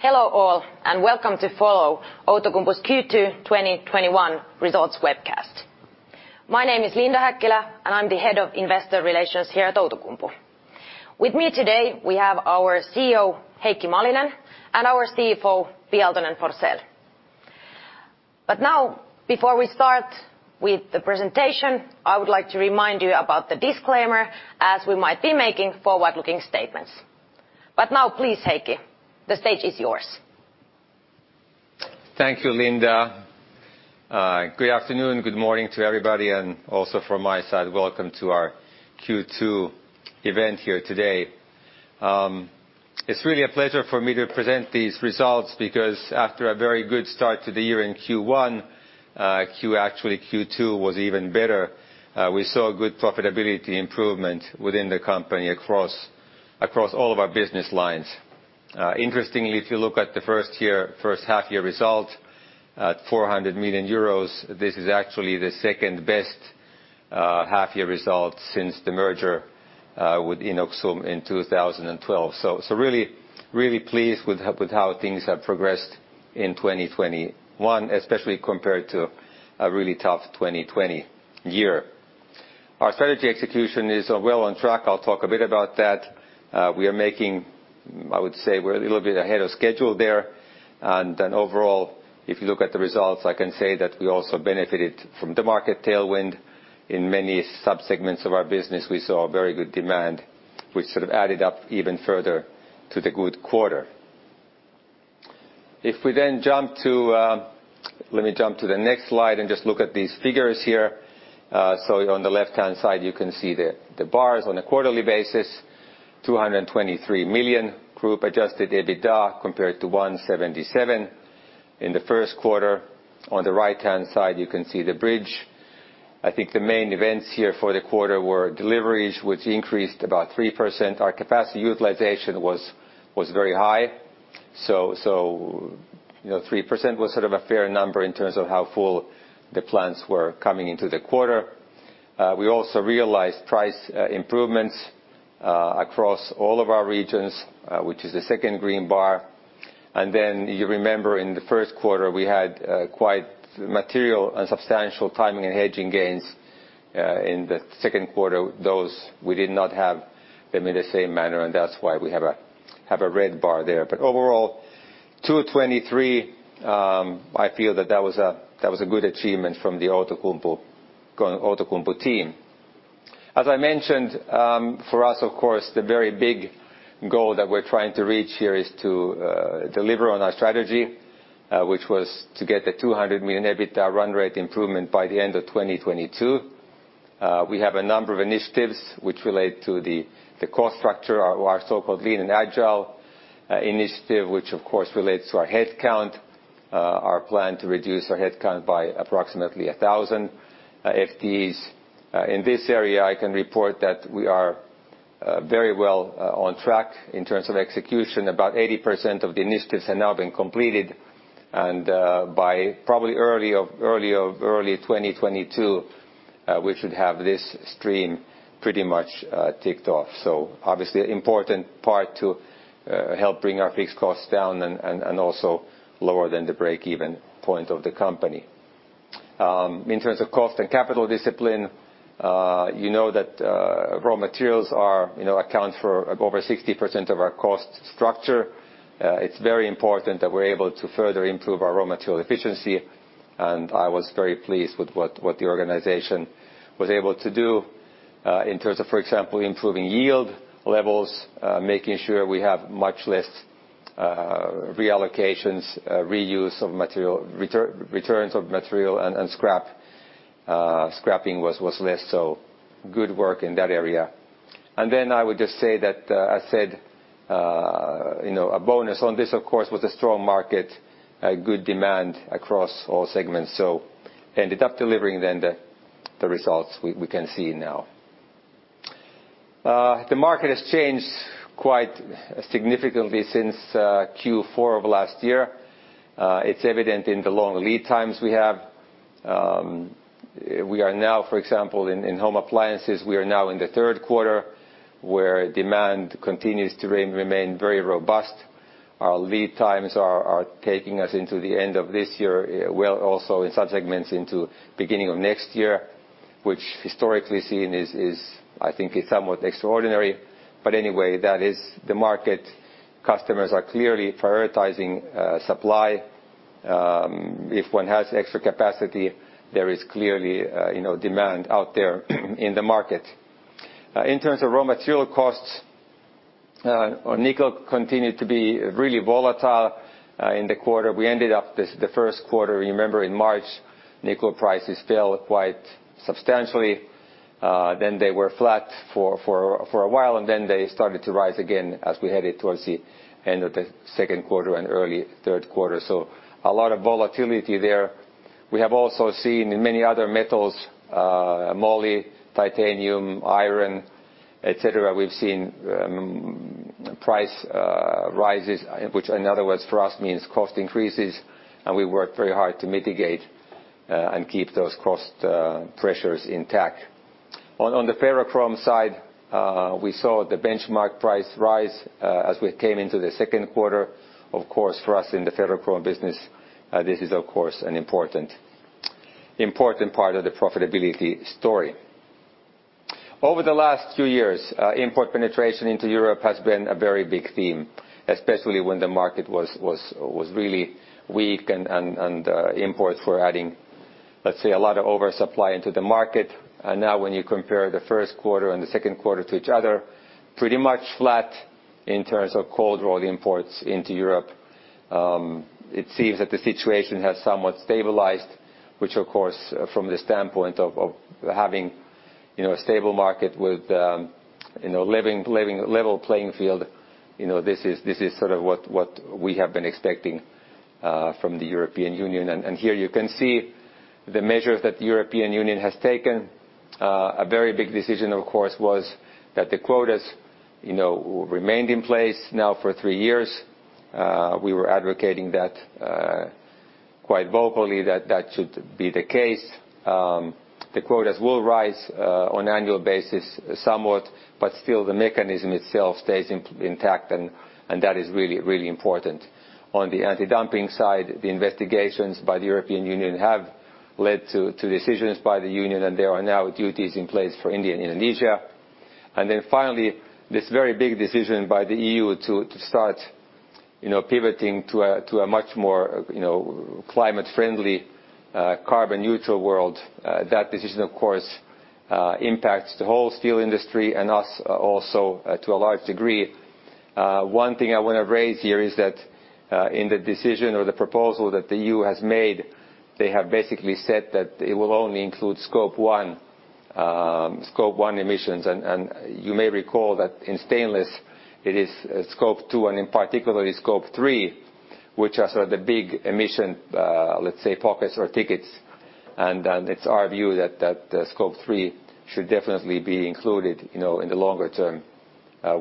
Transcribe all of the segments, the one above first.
Hello all, welcome to follow Outokumpu's Q2 2021 Results webcast. My name is Linda Häkkilä, and I'm the head of investor relations here at Outokumpu. With me today, we have our CEO, Heikki Malinen, and our CFO, Pia Aaltonen-Forsell. Now, before we start with the presentation, I would like to remind you about the disclaimer as we might be making forward-looking statements. Now, please, Heikki, the stage is yours. Thank you, Linda. Good afternoon, good morning to everybody, also from my side, welcome to our Q2 event here today. It's really a pleasure for me to present these results, because after a very good start to the year in Q1, actually Q2 was even better. We saw good profitability improvement within the company across all of our business lines. Interestingly, if you look at the first half year result at 400 million euros, this is actually the second-best half year result since the merger with Inoxum in 2012. Really pleased with how things have progressed in 2021, especially compared to a really tough 2020 year. Our strategy execution is well on track. I'll talk a bit about that. I would say we're a little bit ahead of schedule there. Overall, if you look at the results, I can say that we also benefited from the market tailwind. In many subsegments of our business, we saw very good demand, which sort of added up even further to the good quarter. Let me jump to the next slide and just look at these figures here. On the left-hand side, you can see the bars on a quarterly basis, 223 million group adjusted EBITDA compared to 177 in the first quarter. On the right-hand side, you can see the bridge. I think the main events here for the quarter were deliveries, which increased about 3%. Our capacity utilization was very high. 3% was sort of a fair number in terms of how full the plants were coming into the quarter. We also realized price improvements across all of our regions, which is the second green bar. You remember in the first quarter, we had quite material and substantial timing and hedging gains. In the second quarter, those we did not have them in the same manner, that's why we have a red bar there. Overall, 223 million, I feel that was a good achievement from the Outokumpu team. As I mentioned, for us, of course, the very big goal that we're trying to reach here is to deliver on our strategy, which was to get a 200 million EBITDA run rate improvement by the end of 2022. We have a number of initiatives which relate to the cost structure, our so-called lean and agile initiative, which of course relates to our headcount, our plan to reduce our headcount by approximately 1,000 FTEs. In this area, I can report that we are very well on track in terms of execution. About 80% of the initiatives have now been completed, and by probably early 2022, we should have this stream pretty much ticked off. Obviously, an important part to help bring our fixed costs down and also lower than the break-even point of the company. In terms of cost and capital discipline, you know that raw materials account for over 60% of our cost structure. It's very important that we're able to further improve our raw material efficiency, and I was very pleased with what the organization was able to do in terms of, for example, improving yield levels, making sure we have much less reallocations, reuse of material, returns of material, and scrap. Scrapping was less, so good work in that area. Then I would just say that a bonus on this, of course, was a strong market, good demand across all segments. Ended up delivering then the results we can see now. The market has changed quite significantly since Q4 of last year. It's evident in the long lead times we have. For example, in home appliances, we are now in the third quarter, where demand continues to remain very robust. Our lead times are taking us into the end of this year. Also in some segments into beginning of next year, which historically seen is, I think, is somewhat extraordinary. Anyway, that is the market. Customers are clearly prioritizing supply. If one has extra capacity, there is clearly demand out there in the market. In terms of raw material costs, nickel continued to be really volatile in the quarter. We ended up the first quarter, you remember in March, nickel prices fell quite substantially. They were flat for a while, and then they started to rise again as we headed towards the end of the second quarter and early third quarter. A lot of volatility there. We have also seen in many other metals, moly, titanium, iron, et cetera, we've seen price rises, which in other words for us means cost increases, and we work very hard to mitigate and keep those cost pressures intact. On the ferrochrome side, we saw the benchmark price rise as we came into the second quarter. Of course, for us in the ferrochrome business, this is an important part of the profitability story. Over the last few years, import penetration into Europe has been a very big theme, especially when the market was really weak and imports were adding, let's say, a lot of oversupply into the market. Now when you compare the first quarter and the second quarter to each other, pretty much flat in terms of cold rolled imports into Europe. It seems that the situation has somewhat stabilized, which of course, from the standpoint of having a stable market with a level playing field, this is sort of what we have been expecting from the European Union. Here you can see the measures that the European Union has taken. A very big decision, of course, was that the quotas remained in place now for three years. We were advocating that quite vocally that that should be the case. The quotas will rise on annual basis somewhat, but still the mechanism itself stays intact, and that is really important. On the anti-dumping side, the investigations by the European Union have led to decisions by the Union, there are now duties in place for India and Indonesia. Finally, this very big decision by the EU to start pivoting to a much more climate friendly, carbon neutral world. That decision, of course, impacts the whole steel industry and us also, to a large degree. One thing I want to raise here is that in the decision or the proposal that the EU has made, they have basically said that it will only include Scope 1 emissions. You may recall that in stainless it is Scope 2 and in particular Scope 3, which are sort of the big emission, let's say pockets or tickets. It's our view that the Scope 3 should definitely be included in the longer term,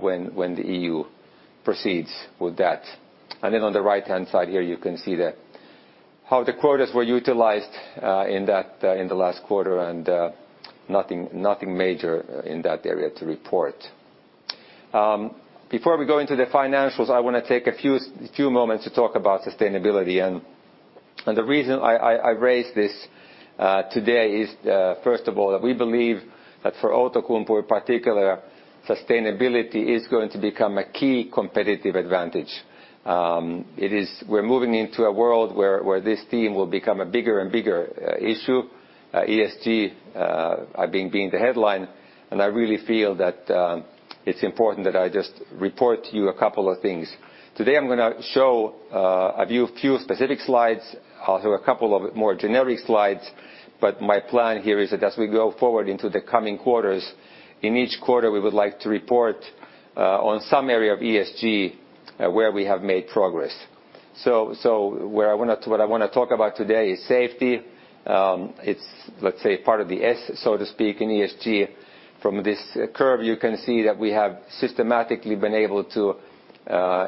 when the EU proceeds with that. On the right-hand side here, you can see how the quotas were utilized in the last quarter and nothing major in that area to report. Before we go into the financials, I want to take a few moments to talk about sustainability. The reason I raise this today is, first of all, that we believe that for Outokumpu in particular, sustainability is going to become a key competitive advantage. We're moving into a world where this theme will become a bigger and bigger issue. ESG being the headline, and I really feel that it's important that I just report to you a couple of things. Today I'm going to show a few specific slides. I'll show a couple of more generic slides, but my plan here is that as we go forward into the coming quarters, in each quarter, we would like to report on some area of ESG where we have made progress. What I want to talk about today is safety. It's, let's say, part of the S, so to speak, in ESG. From this curve, you can see that we have systematically been able to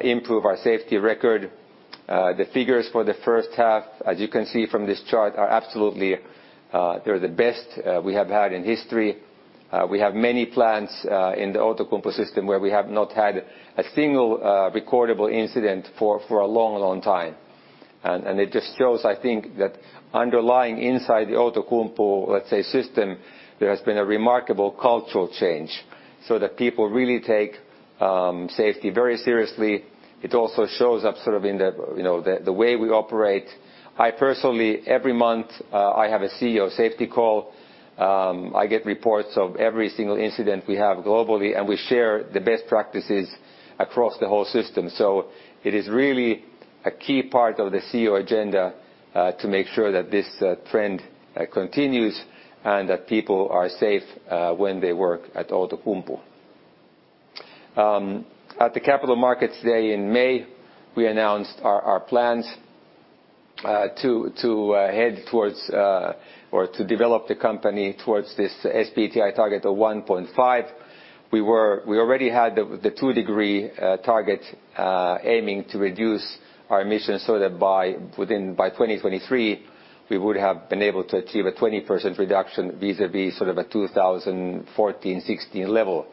improve our safety record. The figures for the first half, as you can see from this chart, are absolutely the best we have had in history. We have many plants in the Outokumpu system where we have not had a single recordable incident for a long time. It just shows, I think that underlying inside the Outokumpu system, there has been a remarkable cultural change so that people really take safety very seriously. It also shows up in the way we operate. I personally, every month I have a CEO safety call. I get reports of every single incident we have globally, and we share the best practices across the whole system. It is really a key part of the CEO agenda, to make sure that this trend continues and that people are safe when they work at Outokumpu. At the Capital Markets Day in May, we announced our plans to head towards or to develop the company towards this SBTI target of 1.5. We already had the 2 degree target, aiming to reduce our emissions so that by 2023, we would have been able to achieve a 20% reduction vis-a-vis a 2014, 2016 level.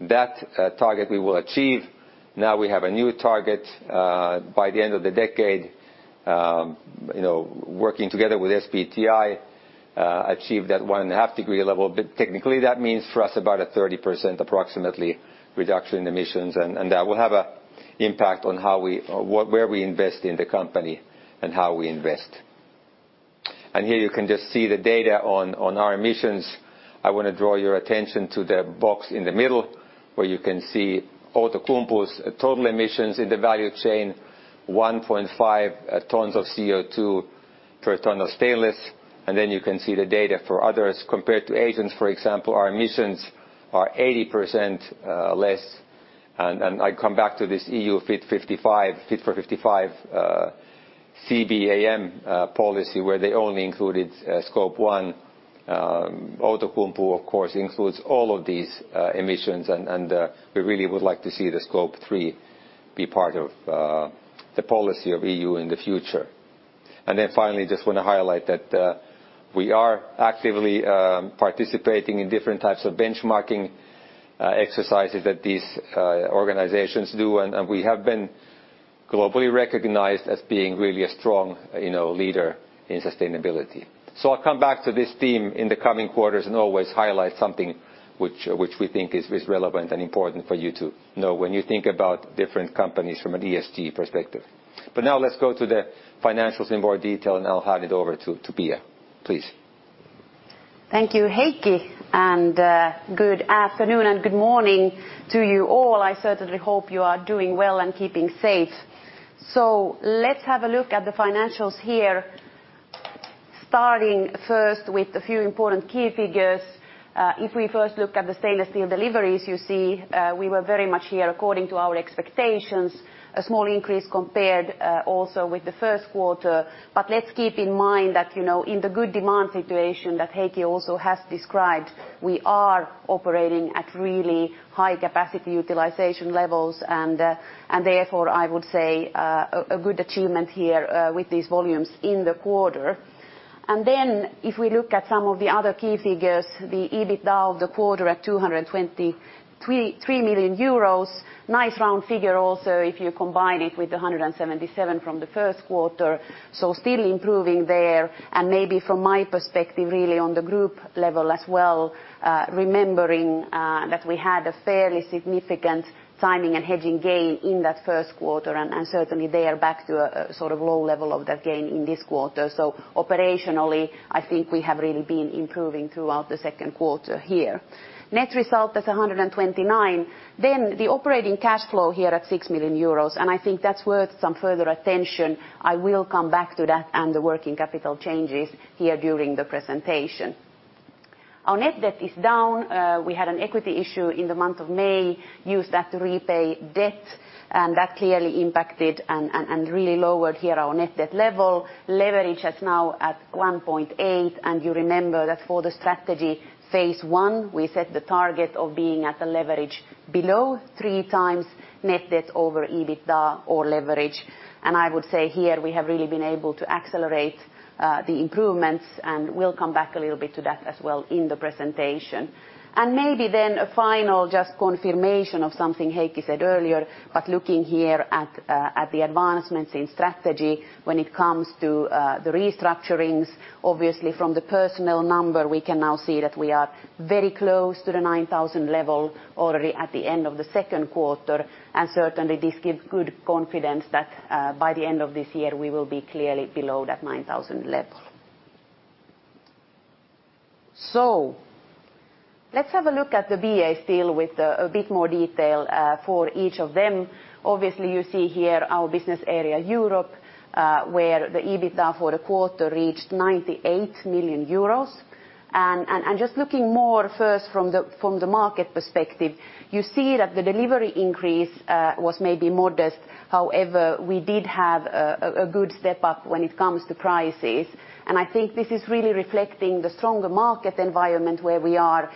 That target we will achieve. Now we have a new target, by the end of the decade, working together with SBTI, achieve that 1.5 degree level. Technically that means for us about a 30% approximately reduction in emissions. That will have an impact on where we invest in the company and how we invest. Here you can just see the data on our emissions. I want to draw your attention to the box in the middle where you can see Outokumpu's total emissions in the value chain, 1.5 tons of CO2 per ton of stainless. Then you can see the data for others compared to Asians, for example, our emissions are 80% less. I come back to this EU Fit for 55 CBAM policy, where they only included Scope 1. Outokumpu, of course, includes all of these emissions and we really would like to see the Scope 3 be part of the policy of EU in the future. Finally, I just want to highlight that we are actively participating in different types of benchmarking exercises that these organizations do, and we have been globally recognized as being really a strong leader in sustainability. I'll come back to this theme in the coming quarters and always highlight something which we think is relevant and important for you to know when you think about different companies from an ESG perspective. Now let's go to the financials in more detail, and I'll hand it over to Pia. Please. Thank you, Heikki. Good afternoon and good morning to you all. I certainly hope you are doing well and keeping safe. Let's have a look at the financials here, starting first with a few important key figures. If we first look at the stainless steel deliveries, you see we were very much here according to our expectations, a small increase compared also with the first quarter. Let's keep in mind that in the good demand situation that Heikki also has described, we are operating at really high capacity utilization levels. Therefore, I would say a good achievement here with these volumes in the quarter. If we look at some of the other key figures, the EBITDA of the quarter at 223 million euros. Nice round figure also if you combine it with 177 million from the first quarter, still improving there. Maybe from my perspective, really on the group level as well, remembering that we had a fairly significant timing and hedging gain in that first quarter, and certainly there back to a low level of that gain in this quarter. Operationally, I think we have really been improving throughout the second quarter here. Net result is 129 milion. The operating cash flow here at 6 million euros, and I think that's worth some further attention. I will come back to that and the working capital changes here during the presentation. Our net debt is down. We had an equity issue in the month of May, used that to repay debt, and that clearly impacted and really lowered here our net debt level. Leverage is now at 1.8, and you remember that for the strategy phase I, we set the target of being at a leverage below 3x net debt over EBITDA or leverage. I would say here we have really been able to accelerate the improvements, and we'll come back a little bit to that as well in the presentation. Maybe then a final just confirmation of something Heikki said earlier, but looking here at the advancements in strategy when it comes to the restructurings. Obviously, from the personnel number, we can now see that we are very close to the 9,000 level already at the end of the second quarter. Certainly this gives good confidence that by the end of this year, we will be clearly below that 9,000 level. Let's have a look at the BA still with a bit more detail for each of them. Obviously, you see here our Business Area Europe, where the EBITDA for the quarter reached 98 million euros. Just looking more first from the market perspective, you see that the delivery increase was maybe modest. However, we did have a good step up when it comes to prices. I think this is really reflecting the stronger market environment where we are.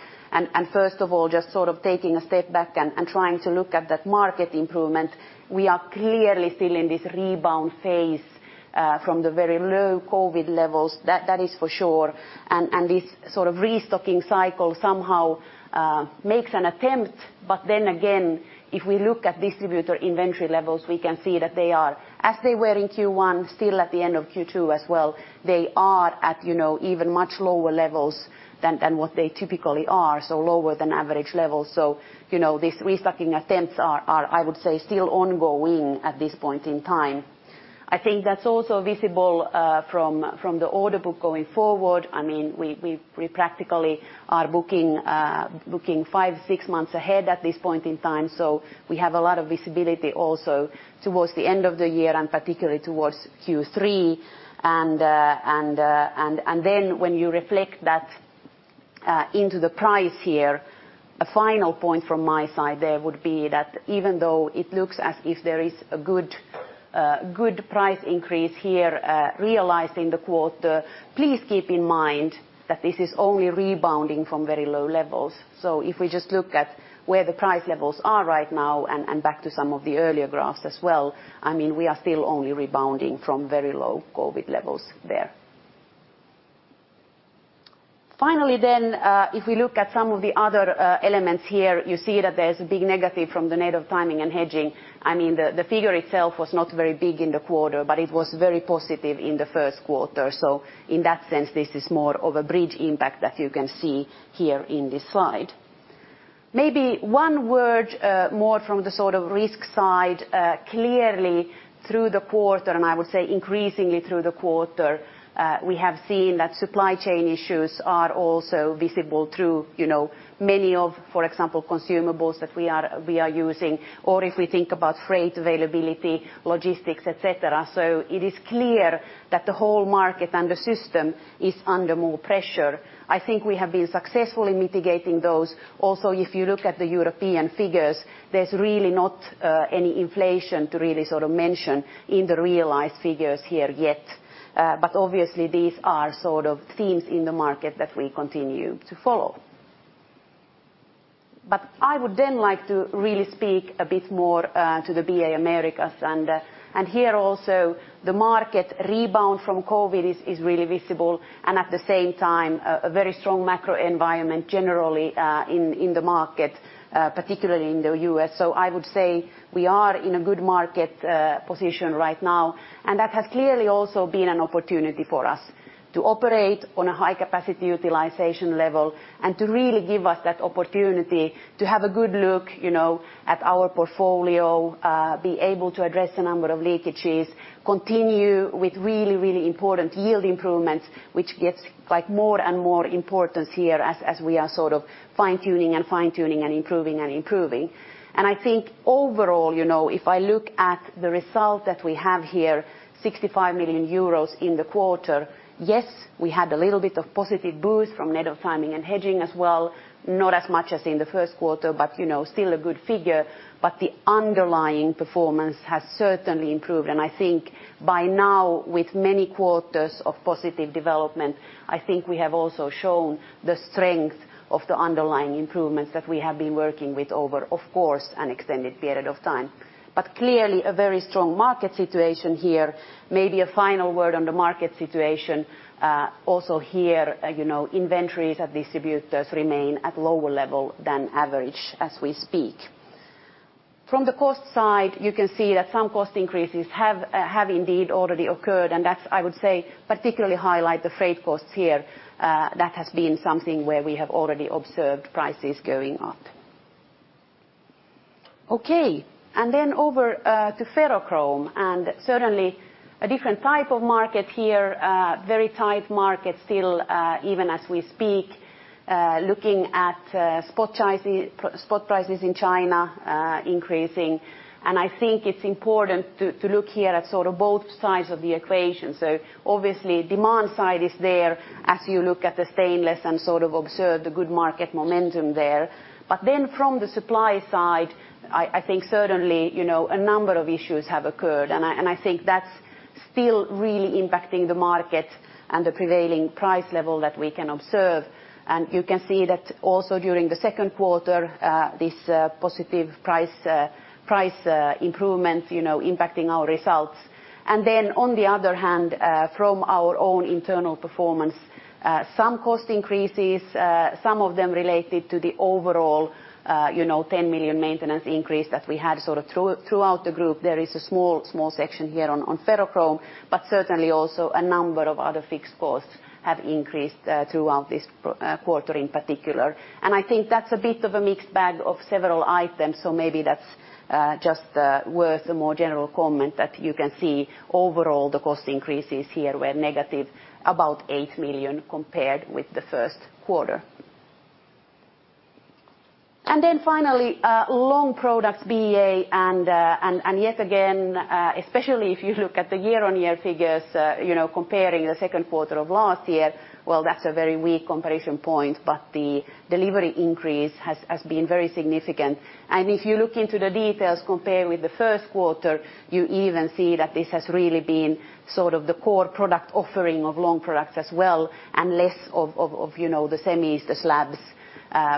First of all, just taking a step back and trying to look at that market improvement, we are clearly still in this rebound phase from the very low COVID levels. That is for sure. This restocking cycle somehow makes an attempt. If we look at distributor inventory levels, we can see that they are, as they were in Q1, still at the end of Q2 as well. They are at even much lower levels than what they typically are, so lower than average levels. These restocking attempts are, I would say, still ongoing at this point in time. I think that's also visible from the order book going forward. We practically are booking five, six months ahead at this point in time. We have a lot of visibility also towards the end of the year and particularly towards Q3. When you reflect that into the price here, a final point from my side there would be that even though it looks as if there is a good price increase here realizing the quarter, please keep in mind that this is only rebounding from very low levels. If we just look at where the price levels are right now and back to some of the earlier graphs as well, we are still only rebounding from very low COVID levels there. If we look at some of the other elements here, you see that there's a big negative from the net of timing and hedging. The figure itself was not very big in the quarter, but it was very positive in the first quarter. In that sense, this is more of a bridge impact that you can see here in this slide. Maybe one word more from the risk side. Through the quarter, and I would say increasingly through the quarter, we have seen that supply chain issues are also visible through many of, for example, consumables that we are using, or if we think about freight availability, logistics, etc. It is clear that the whole market and the system is under more pressure. I think we have been successfully mitigating those. If you look at the European figures, there's really not any inflation to really mention in the realized figures here yet. Obviously, these are themes in the market that we continue to follow. I would then like to really speak a bit more to the BA Americas. Here also, the market rebound from COVID is really visible, and at the same time, a very strong macro environment generally in the market, particularly in the U.S. I would say we are in a good market position right now, and that has clearly also been an opportunity for us to operate on a high capacity utilization level and to really give us that opportunity to have a good look at our portfolio, be able to address a number of leakages, continue with really important yield improvements, which gets more and more importance here as we are fine-tuning and improving. I think overall, if I look at the result that we have here, 65 million euros in the quarter, yes, we had a little bit of positive boost from net of timing and hedging as well. Not as much as in the first quarter, still a good figure. The underlying performance has certainly improved. I think by now, with many quarters of positive development, I think we have also shown the strength of the underlying improvements that we have been working with over, of course, an extended period of time. Clearly, a very strong market situation here. Maybe a final word on the market situation, also here, inventories at distributors remain at lower level than average as we speak. From the cost side, you can see that some cost increases have indeed already occurred, and that's, I would say, particularly highlight the freight costs here. That has been something where we have already observed prices going up. Okay. Over to ferrochrome, and certainly a different type of market here. Very tight market still, even as we speak, looking at spot prices in China increasing. I think it's important to look here at both sides of the equation. Obviously, demand side is there as you look at the stainless and observe the good market momentum there. From the supply side, I think certainly, a number of issues have occurred, and I think that's still really impacting the market and the prevailing price level that we can observe. You can see that also during the second quarter, these positive price improvements impacting our results. On the other hand, from our own internal performance, some cost increases, some of them related to the overall 10 million maintenance increase that we had throughout the group. There is a small section here on ferrochrome, but certainly also a number of other fixed costs have increased throughout this quarter in particular. I think that's a bit of a mixed bag of several items. Maybe that's just worth a more general comment that you can see overall the cost increases here were negative, about 8 million compared with the first quarter. Finally, Long Products BA. Yet again, especially if you look at the year-on-year figures, comparing the second quarter of last year, well, that's a very weak comparison point, but the delivery increase has been very significant. If you look into the details, compare with the first quarter, you even see that this has really been the core product offering of Long Products as well, and less of the semis, the slabs,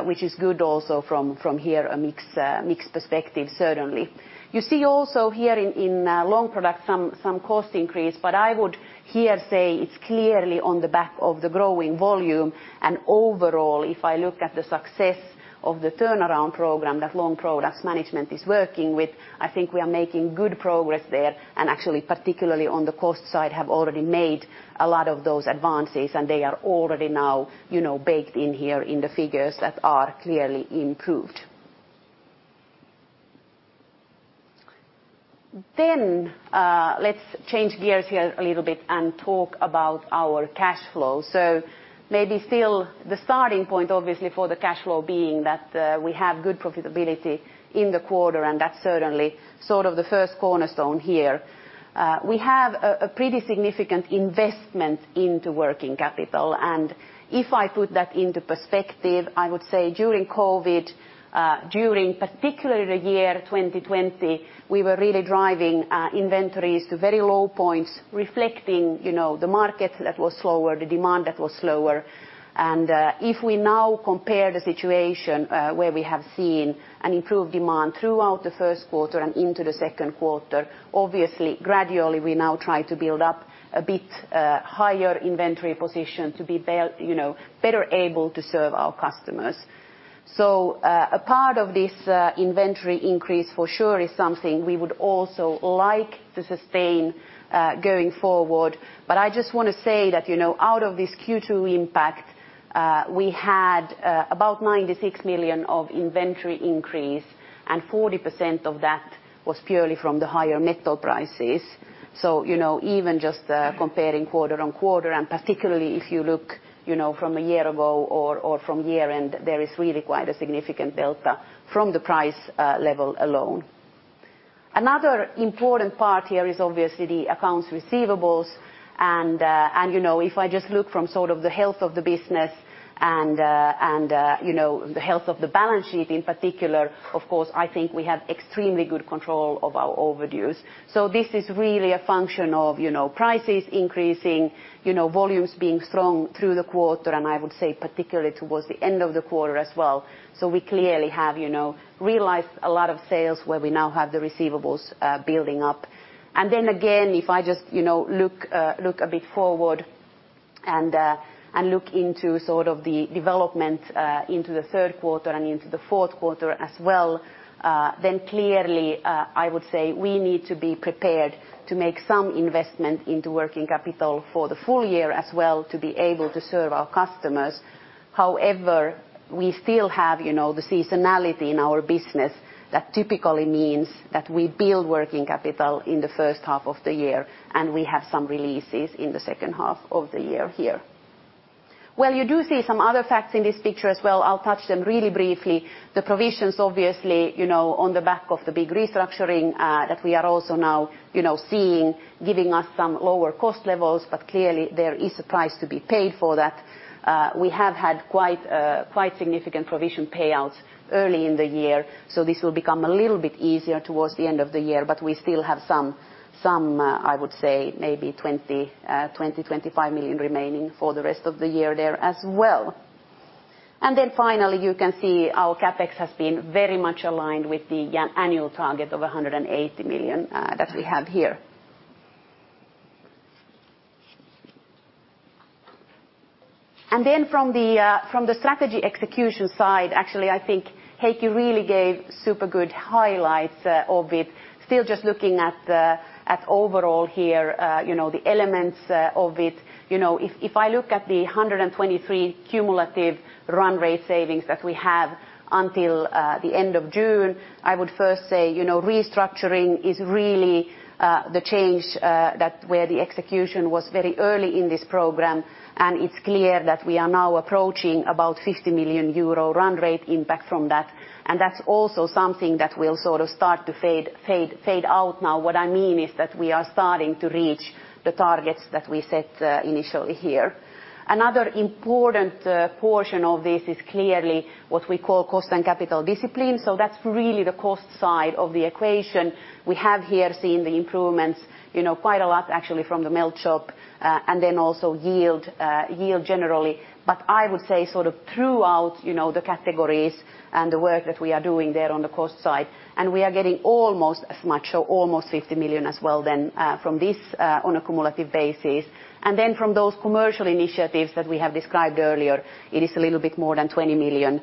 which is good also from here, a mixed perspective, certainly. You see also here in Long Products, some cost increase. I would here say it is clearly on the back of the growing volume. Overall, if I look at the success of the turnaround program that Long Products management is working with, I think we are making good progress there, and actually, particularly on the cost side, have already made a lot of those advances. They are already now baked in here in the figures that are clearly improved. Let's change gears here a little bit and talk about our cash flow. Maybe still the starting point, obviously for the cash flow being that we have good profitability in the quarter. That is certainly the first cornerstone here. We have a pretty significant investment into working capital. If I put that into perspective, I would say during COVID, during particularly the year 2020, we were really driving inventories to very low points, reflecting the market that was slower, the demand that was slower. If we now compare the situation where we have seen an improved demand throughout the first quarter and into the second quarter, obviously, gradually, we now try to build up a bit higher inventory position to be better able to serve our customers. A part of this inventory increase for sure is something we would also like to sustain going forward. I just want to say that out of this Q2 impact, we had about 96 million of inventory increase, and 40% of that was purely from the higher metal prices. Even just comparing quarter-on-quarter, and particularly if you look from a year ago or from year-end, there is really quite a significant delta from the price level alone. Another important part here is obviously the accounts receivables. If I just look from the health of the business and the health of the balance sheet in particular, of course, I think we have extremely good control of our overdues. This is really a function of prices increasing, volumes being strong through the quarter, and I would say particularly towards the end of the quarter as well. We clearly have realized a lot of sales where we now have the receivables building up. Then again, if I just look a bit forward and look into the development into the third quarter and into the fourth quarter as well, then clearly, I would say we need to be prepared to make some investment into working capital for the full year as well to be able to serve our customers. However, we still have the seasonality in our business. That typically means that we build working capital in the first half of the year, and we have some releases in the second half of the year here. Well, you do see some other facts in this picture as well. I'll touch them really briefly. The provisions, obviously, on the back of the big restructuring that we are also now seeing, giving us some lower cost levels. Clearly, there is a price to be paid for that. We have had quite significant provision payouts early in the year, this will become a little bit easier towards the end of the year. We still have some, I would say, maybe 20 million, 25 million remaining for the rest of the year there as well. Finally, you can see our CapEx has been very much aligned with the annual target of 180 million that we have here. From the strategy execution side, actually, I think Heikki really gave super good highlights of it. Just looking at overall here, the elements of it. If I look at the 123 million cumulative run rate savings that we have until the end of June, I would first say, restructuring is really the change where the execution was very early in this program. It's clear that we are now approaching about 50 million euro run rate impact from that. That's also something that will start to fade out now. What I mean is that we are starting to reach the targets that we set initially here. Another important portion of this is clearly what we call cost and capital discipline. That's really the cost side of the equation. We have here seen the improvements, quite a lot actually from the melt shop, and then also yield generally. I would say throughout the categories and the work that we are doing there on the cost side, and we are getting almost as much, so almost 50 million as well then from this on a cumulative basis. From those commercial initiatives that we have described earlier, it is a little bit more than 20 million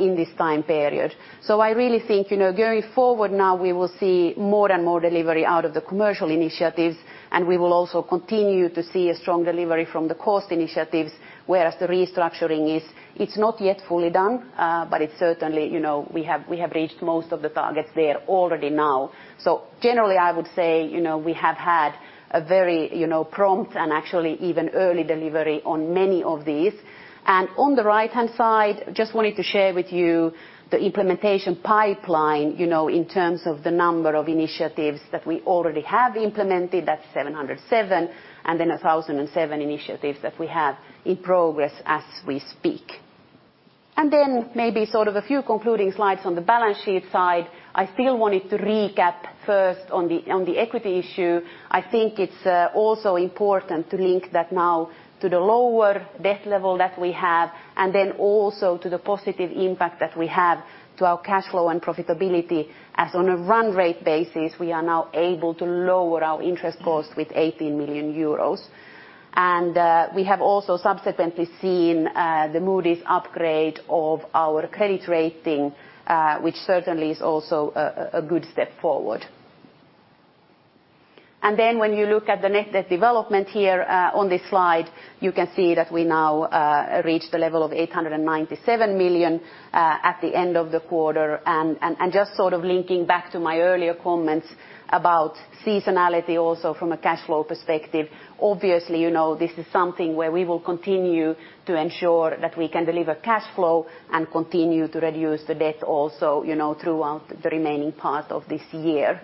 in this time period. I really think, going forward now, we will see more and more delivery out of the commercial initiatives, and we will also continue to see a strong delivery from the cost initiatives, whereas the restructuring is not yet fully done. Certainly, we have reached most of the targets there already now. Generally, I would say, we have had a very prompt and actually even early delivery on many of these. On the right-hand side, just wanted to share with you the implementation pipeline in terms of the number of initiatives that we already have implemented. That's 707, and then 1,007 initiatives that we have in progress as we speak. Then maybe a few concluding slides on the balance sheet side. I still wanted to recap first on the equity issue. I think it’s also important to link that now to the lower debt level that we have, and then also to the positive impact that we have to our cash flow and profitability, as on a run rate basis, we are now able to lower our interest cost with 80 million euros. We have also subsequently seen the Moody’s upgrade of our credit rating, which certainly is also a good step forward. When you look at the net debt development here on this slide, you can see that we now reached a level of 897 million at the end of the quarter. Just linking back to my earlier comments about seasonality also from a cash flow perspective, obviously, this is something where we will continue to ensure that we can deliver cash flow and continue to reduce the debt also throughout the remaining part of this year.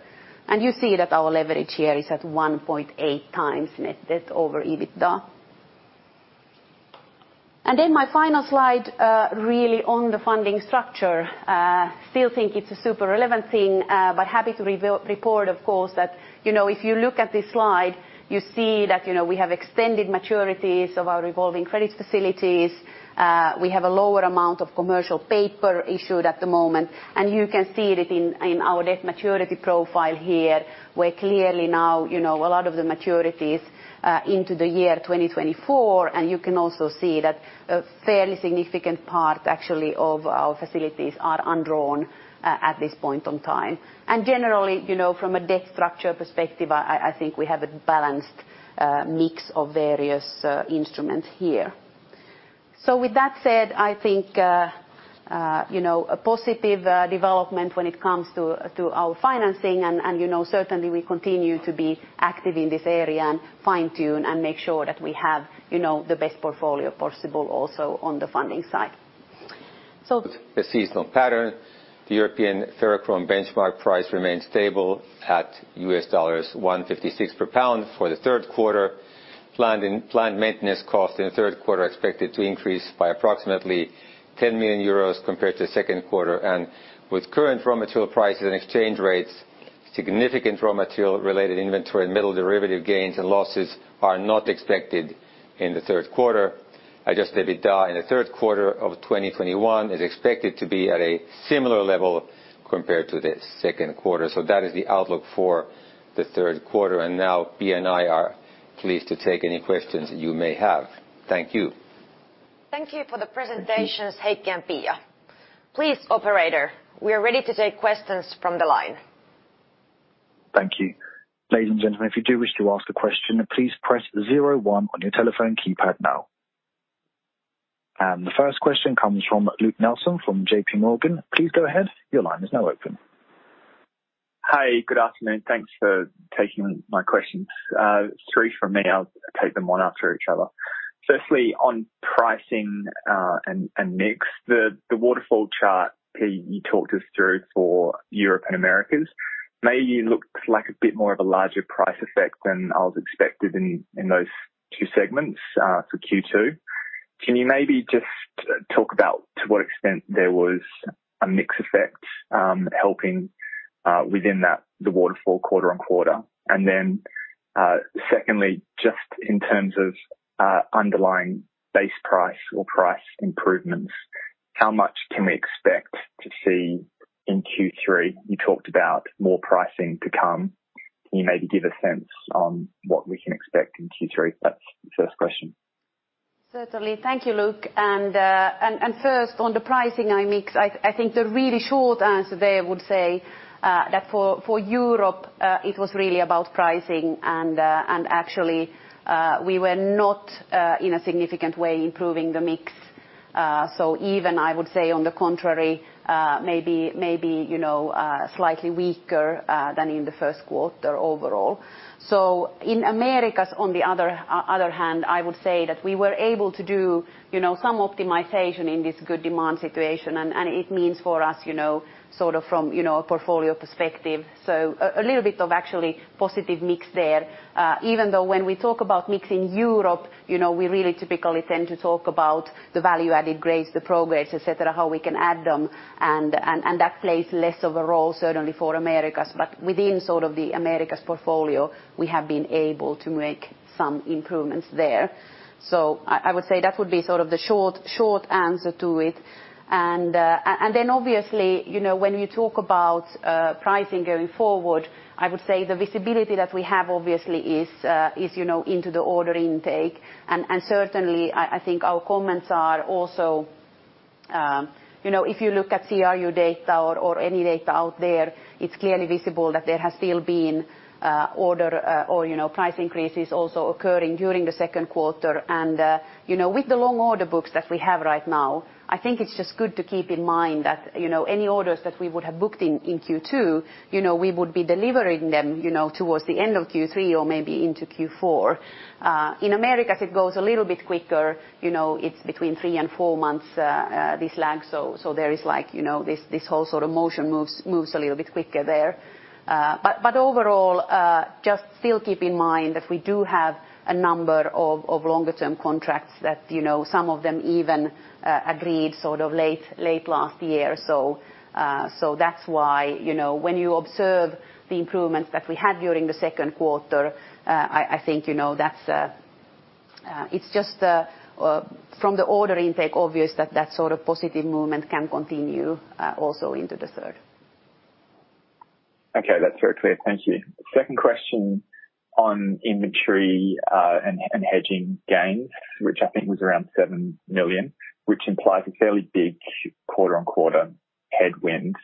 You see that our leverage here is at 1.8x net debt over EBITDA. My final slide, really on the funding structure. Still think it's a super relevant thing, but happy to report, of course, that if you look at this slide, you see that we have extended maturities of our revolving credits facilities. We have a lower amount of commercial paper issued at the moment, and you can see it in our debt maturity profile here, where clearly now, a lot of the maturities into the year 2024, and you can also see that a fairly significant part, actually, of our facilities are undrawn at this point in time. Generally, from a debt structure perspective, I think we have a balanced mix of various instruments here. With that said, I think, a positive development when it comes to our financing and certainly, we continue to be active in this area and fine-tune and make sure that we have the best portfolio possible also on the funding side. The seasonal pattern. The European ferrochrome benchmark price remains stable at $156 per pound for the third quarter. Planned maintenance cost in the third quarter expected to increase by approximately 10 million euros compared to the second quarter. With current raw material prices and exchange rates, significant raw material-related inventory and metal derivative gains and losses are not expected in the third quarter. Adjusted EBITDA in the third quarter of 2021 is expected to be at a similar level compared to the second quarter. That is the outlook for the third quarter, and now Pia and I are pleased to take any questions you may have. Thank you. Thank you for the presentations, Heikki and Pia. Please, operator, we are ready to take questions from the line. Thank you. Ladies and gentlemen, if you do wish to ask a question, please press zero one on your telephone keypad now. The first question comes from Luke Nelson from JPMorgan. Please go ahead. Your line is now open. Hi. Good afternoon. Thanks for taking my questions. Three from me. I'll take them one after each other. Firstly, on pricing, and mix, the waterfall chart, Pia, you talked us through for Europe and Americas, maybe looked like a bit more of a larger price effect than I was expected in those two segments, for Q2. Can you maybe just talk about to what extent there was a mix effect, helping, within that, the waterfall quarter-on-quarter? Then, secondly, just in terms of underlying base price or price improvements, how much can we expect to see in Q3? You talked about more pricing to come. Can you maybe give a sense on what we can expect in Q3? That's the first question. Certainly. Thank you, Luke. First, on the pricing and mix, I think the really short answer there would say that for Europe, it was really about pricing and actually, we were not, in a significant way improving the mix. Even, I would say on the contrary, maybe slightly weaker than in the first quarter overall. In Americas, on the other hand, I would say that we were able to do some optimization in this good demand situation, and it means for us, from a portfolio perspective, a little bit of actually positive mix there. Even though when we talk about mix in Europe, we really typically tend to talk about the value-added grades, the Pro grades, et cetera, how we can add them, and that plays less of a role certainly for Americas. Within the Americas portfolio, we have been able to make some improvements there. I would say that would be the short answer to it. Obviously, when we talk about pricing going forward, I would say the visibility that we have obviously is into the order intake. Certainly, I think our comments are also, if you look at CRU data or any data out there, it's clearly visible that there has still been order or price increases also occurring during the second quarter, and with the long order books that we have right now, I think it's just good to keep in mind that any orders that we would have booked in Q2, we would be delivering them towards the end of Q3 or maybe into Q4. In Americas it goes a little bit quicker, it's between three and four months, this lag. There is like, this whole sort of motion moves a little bit quicker there. Overall, just still keep in mind that we do have a number of longer-term contracts that some of them even agreed late last year. That's why when you observe the improvements that we had during the second quarter, I think it's just from the order intake obvious that sort of positive movement can continue, also into the third. Okay. That's very clear. Thank you. Second question on inventory, hedging gains, which I think was around 7 million, which implies a fairly big quarter-on-quarter headwind.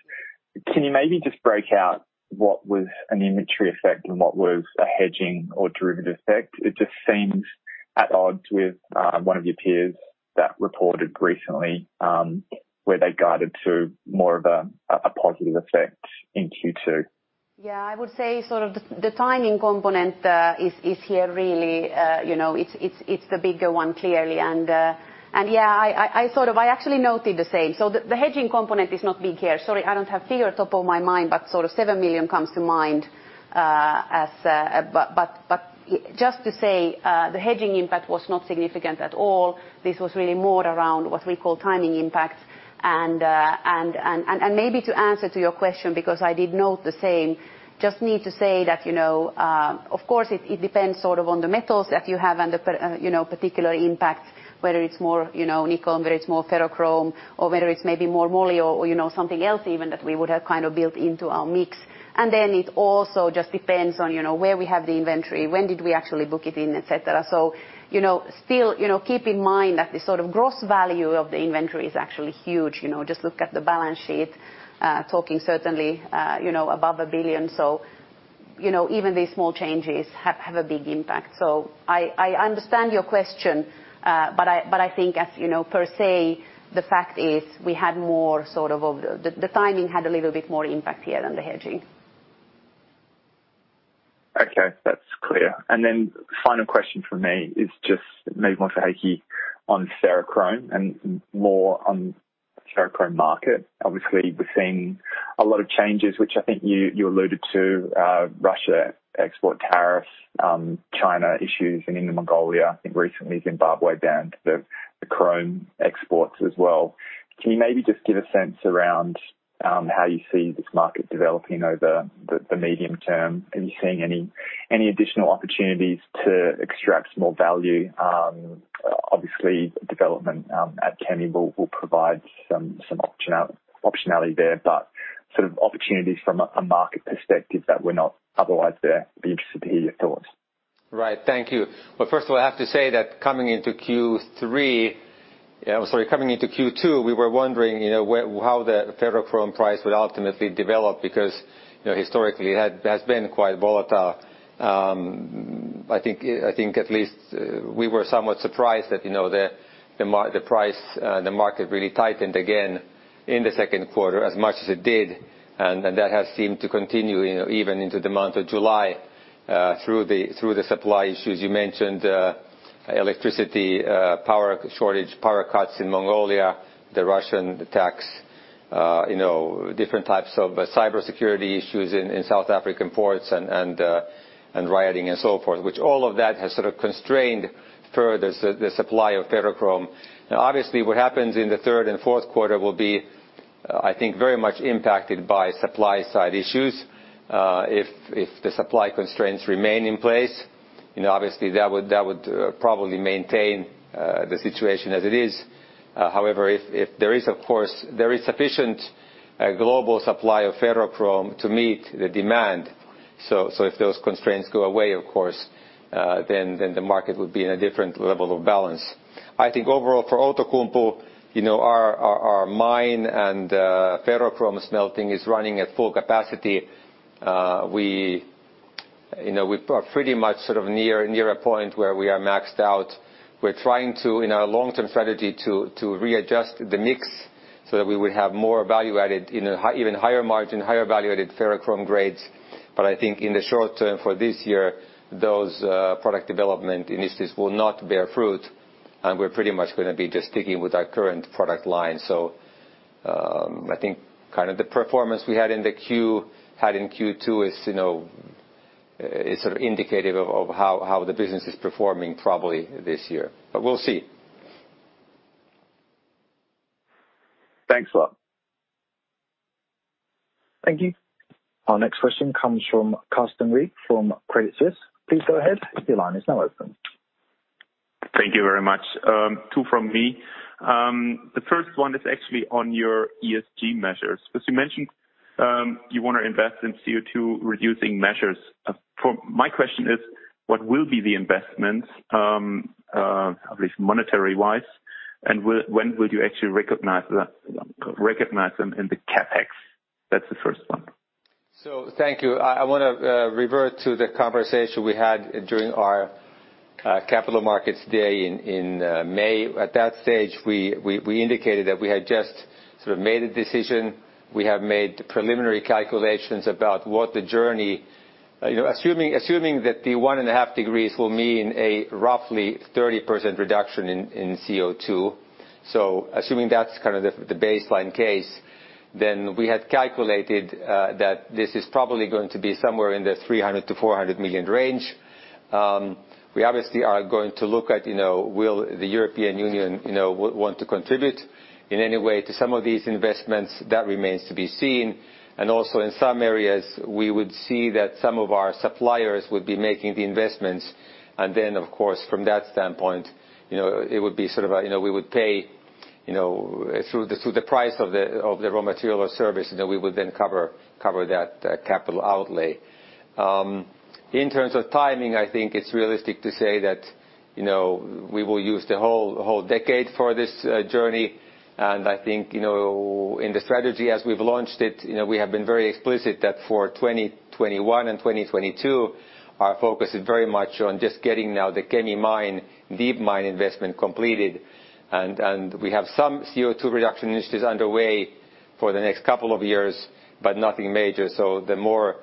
Can you maybe just break out what was an inventory effect and what was a hedging or derivative effect? It just seems at odds with one of your peers that reported recently, where they guided to more of a positive effect in Q2. Yeah, I would say the timing component is here really, it's the bigger one, clearly. Yeah, I actually noted the same. The hedging component is not big here. Sorry, I don't have figures top of my mind, but 7 million comes to mind. Just to say, the hedging impact was not significant at all. This was really more around what we call timing impacts. Maybe to answer to your question, because I did note the same, just need to say that, of course, it depends on the metals that you have and the particular impact, whether it's more nickel, whether it's more ferrochrome or whether it's maybe more moly or something else even that we would have built into our mix. Then it also just depends on where we have the inventory, when did we actually book it in, et cetera. Still keep in mind that the gross value of the inventory is actually huge. Just look at the balance sheet, talking certainly above 1 billion. Even these small changes have a big impact. I understand your question, but I think as per se, the fact is we had more of the timing had a little bit more impact here than the hedging. Okay. That's clear. Final question from me is just maybe more for Heikki on ferrochrome and more on ferrochrome market. Obviously, we're seeing a lot of changes, which I think you alluded to, Russia export tariffs, China issues and in Mongolia. I think recently Zimbabwe banned the chrome exports as well. Can you maybe just give a sense around how you see this market developing over the medium term? Are you seeing any additional opportunities to extract some more value? Obviously, development at Kemi will provide some optionality there, sort of opportunities from a market perspective that were not otherwise there. Be interested to hear your thoughts. Right. Thank you. Well, first of all, I have to say that coming into Q2, we were wondering how the ferrochrome price would ultimately develop because historically it has been quite volatile. I think at least we were somewhat surprised that the price, the market really tightened again in the second quarter as much as it did, and that has seemed to continue even into the month of July, through the supply issues you mentioned, electricity power shortage, power cuts in Mongolia, the Russian attacks, different types of cyber-attack in South African ports and rioting and so forth, which all of that has sort of constrained further the supply of ferrochrome. Obviously, what happens in the third and fourth quarter will be, I think, very much impacted by supply side issues. If the supply constraints remain in place, obviously that would probably maintain the situation as it is. There is sufficient global supply of ferrochrome to meet the demand. If those constraints go away, of course, then the market would be in a different level of balance. I think overall for Outokumpu, our mine and ferrochrome smelting is running at full capacity. We are pretty much sort of near a point where we are maxed out. We are trying to, in our long-term strategy, to readjust the mix so that we would have more value-added in even higher margin, higher value-added ferrochrome grades. I think in the short term for this year, those product development initiatives will not bear fruit, and we are pretty much going to be just sticking with our current product line. I think kind of the performance we had in Q2 is sort of indicative of how the business is performing probably this year. We'll see. Thanks a lot. Thank you. Our next question comes from Carsten Riek from Credit Suisse. Please go ahead. Thank you very much. Two from me. The first one is actually on your ESG measures, because you mentioned, you want to invest in CO2 reducing measures. My question is, what will be the investments, at least monetary-wise, and when will you actually recognize them in the CapEx? That's the first one. Thank you. I want to revert to the conversation we had during our Capital Markets Day in May. At that stage, we indicated that we had just sort of made a decision. We have made preliminary calculations about what the journey, assuming that the 1.5 degrees will mean a roughly 30% reduction in CO2. Assuming that's kind of the baseline case, then we had calculated that this is probably going to be somewhere in the 300 million-400 million range. We obviously are going to look at will the European Union want to contribute in any way to some of these investments. That remains to be seen. Also in some areas, we would see that some of our suppliers would be making the investments. Of course, from that standpoint, we would pay through the price of the raw material or service, we would then cover that capital outlay. In terms of timing, I think it's realistic to say that we will use the whole decade for this journey. I think, in the strategy as we've launched it, we have been very explicit that for 2021 and 2022, our focus is very much on just getting now the Kemi mine, deep mine investment completed. We have some CO2 reduction initiatives underway for the next couple of years, but nothing major. The more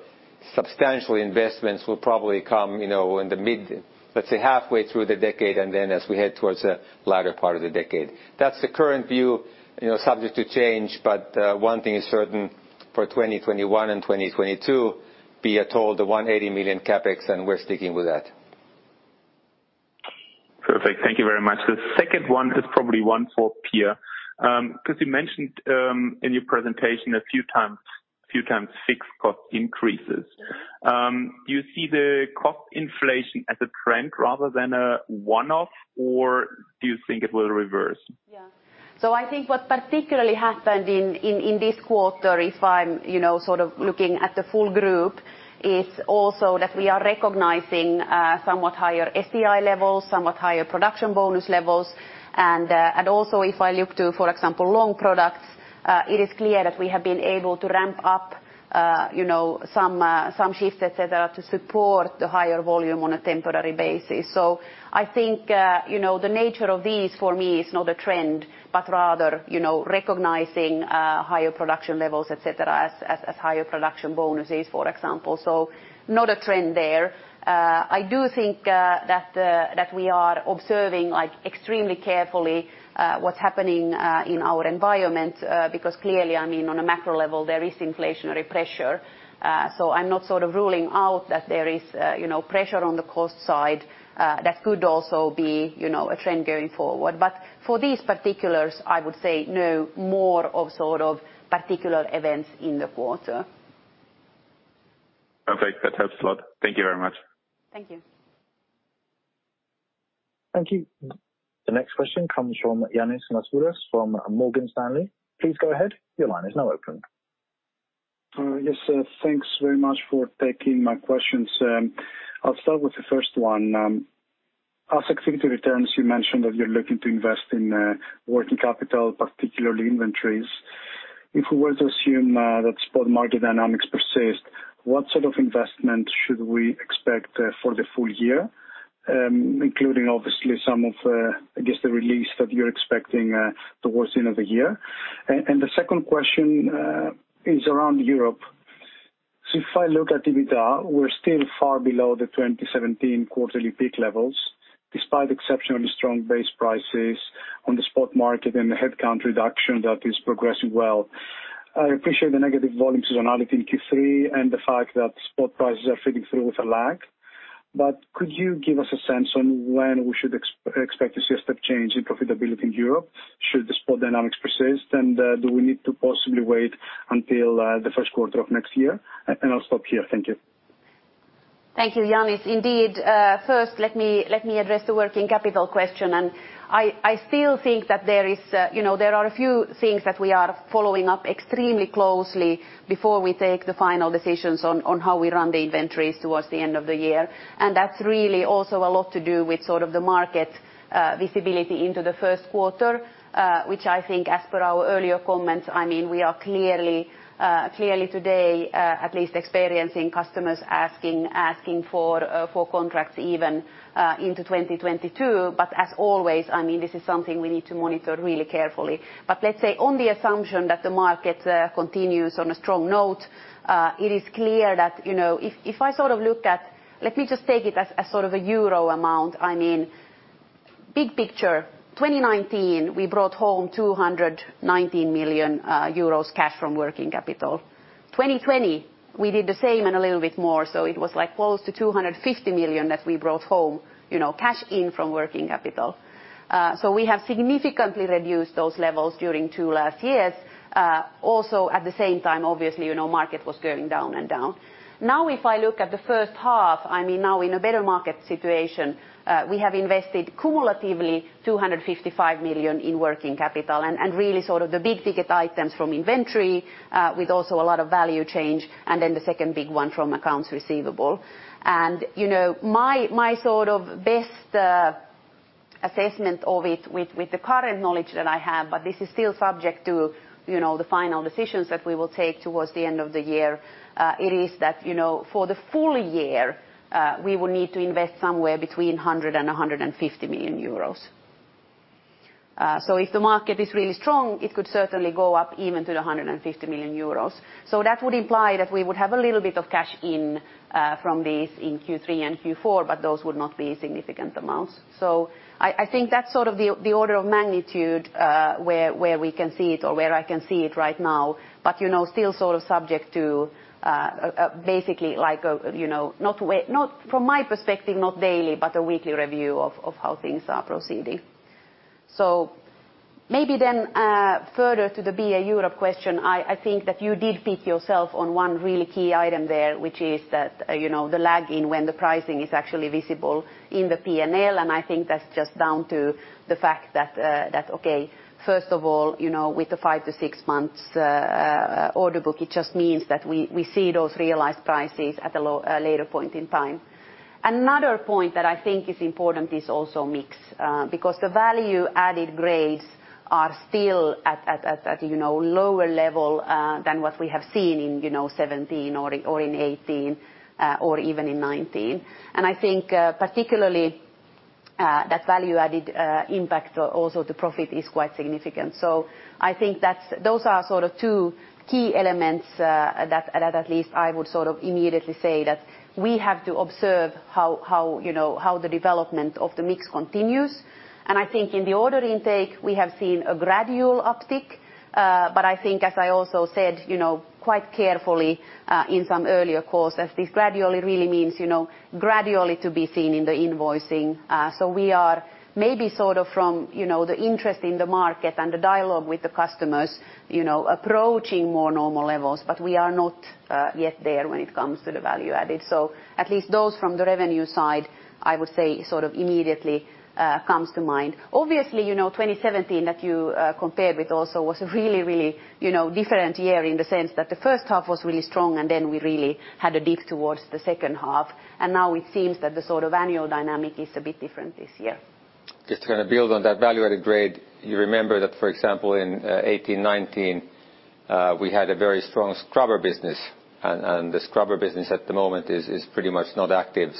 substantial investments will probably come in the mid, halfway through the decade, and then as we head towards the latter part of the decade. That's the current view, subject to change, one thing is certain. For 2021 and 2022, be it all the 180 million CapEx, and we are sticking with that. Perfect. Thank you very much. The second one is probably one for Pia. Because you mentioned, in your presentation a few times, fixed cost increases. Do you see the cost inflation as a trend rather than a one-off, or do you think it will reverse? Yeah. I think what particularly happened in this quarter, if I'm sort of looking at the full group, is also that we are recognizing somewhat higher STI levels, somewhat higher production bonus levels. Also if I look to, for example, Long Products, it is clear that we have been able to ramp up some shifts, et cetera, to support the higher volume on a temporary basis. I think the nature of these for me is not a trend, but rather recognizing higher production levels, et cetera, as higher production bonuses, for example. Not a trend there. I do think that we are observing extremely carefully, what's happening in our environment, because clearly, on a macro level, there is inflationary pressure. I'm not sort of ruling out that there is pressure on the cost side that could also be a trend going forward. For these particulars, I would say no, more of sort of particular events in the quarter. Perfect. That helps a lot. Thank you very much. Thank you. Thank you. The next question comes from Ioannis Masvoulas from Morgan Stanley. Please go ahead. Your line is now open. Yes. Thanks very much for taking my questions. I'll start with the first one. As activity returns, you mentioned that you're looking to invest in working capital, particularly inventories. If we were to assume that spot market dynamics persist, what sort of investment should we expect for the full year, including obviously some of the release that you're expecting towards the end of the year? The second question is around Europe. If I look at EBITDA, we're still far below the 2017 quarterly peak levels despite exceptionally strong base prices on the spot market and the headcount reduction that is progressing well. I appreciate the negative volume seasonality in Q3 and the fact that spot prices are feeding through with a lag. Could you give us a sense on when we should expect to see a step change in profitability in Europe should the spot dynamics persist, and do we need to possibly wait until the first quarter of next year? I'll stop here. Thank you. Thank you, Ioannis. Indeed. First, let me address the working capital question. I still think that there are a few things that we are following up extremely closely before we take the final decisions on how we run the inventories towards the end of the year. That's really also a lot to do with the market visibility into the first quarter, which I think as per our earlier comments, we are clearly today at least experiencing customers asking for contracts even into 2022. As always, this is something we need to monitor really carefully. Let's say on the assumption that the market continues on a strong note, it is clear that let me just take it as a euro amount. Big picture, 2019, we brought home 219 million euros cash from working capital. 2020, we did the same and a little bit more, so it was close to 250 million that we brought home, cash in from working capital. We have significantly reduced those levels during two last years. At the same time, obviously, market was going down and down. If I look at the first half, now in a better market situation, we have invested cumulatively 255 million in working capital, and really the big-ticket items from inventory, with also a lot of value change, and then the second big one from accounts receivable. My best assessment of it with the current knowledge that I have, but this is still subject to the final decisions that we will take towards the end of the year, it is that for the full year, we will need to invest somewhere between 100 million-150 million euros. If the market is really strong, it could certainly go up even to 150 million euros. That would imply that we would have a little bit of cash in from these in Q3 and Q4, but those would not be significant amounts. I think that's the order of magnitude, where we can see it or where I can see it right now. Still subject to, basically, from my perspective, not daily, but a weekly review of how things are proceeding. Maybe then further to the BA Europe question, I think that you did pick yourself on one really key item there, which is the lag in when the pricing is actually visible in the P&L. I think that's just down to the fact that, okay, first of all, with the five to six months order book, it just means that we see those realized prices at a later point in time. Another point that I think is important is also mix. The value-added grades are still at lower level than what we have seen in 2017 or in 2018, or even in 2019. I think particularly, that value-added impact also the profit is quite significant. I think those are two key elements that at least I would immediately say that we have to observe how the development of the mix continues. I think in the order intake, we have seen a gradual uptick. I think as I also said quite carefully in some earlier calls, as this gradually really means gradually to be seen in the invoicing. We are maybe from the interest in the market and the dialogue with the customers, approaching more normal levels, but we are not yet there when it comes to the value added. At least those from the revenue side, I would say immediately comes to mind. Obviously, 2017 that you compared with also was a really different year in the sense that the first half was really strong, then we really had a dip towards the second half. Now it seems that the annual dynamic is a bit different this year. Just to kind of build on that value-added grade. You remember that, for example, in 2018, 2019, we had a very strong scrubber business, and the scrubber business at the moment is pretty much not active.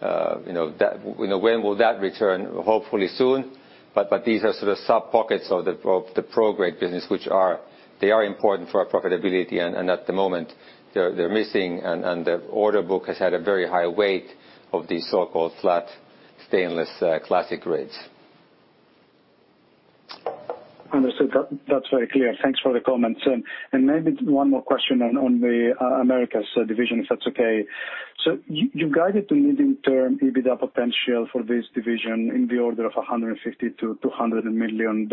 When will that return? Hopefully soon. These are sort of sub-pockets of the Pro grade business, which are important for our profitability, and at the moment they're missing, and the order book has had a very high weight of these so-called flat stainless Classic grades. Understood. That's very clear. Thanks for the comments. Maybe one more question on the Americas division, if that's okay. You guided to mid-term EBITDA potential for this division in the order of $150 million-$200 million,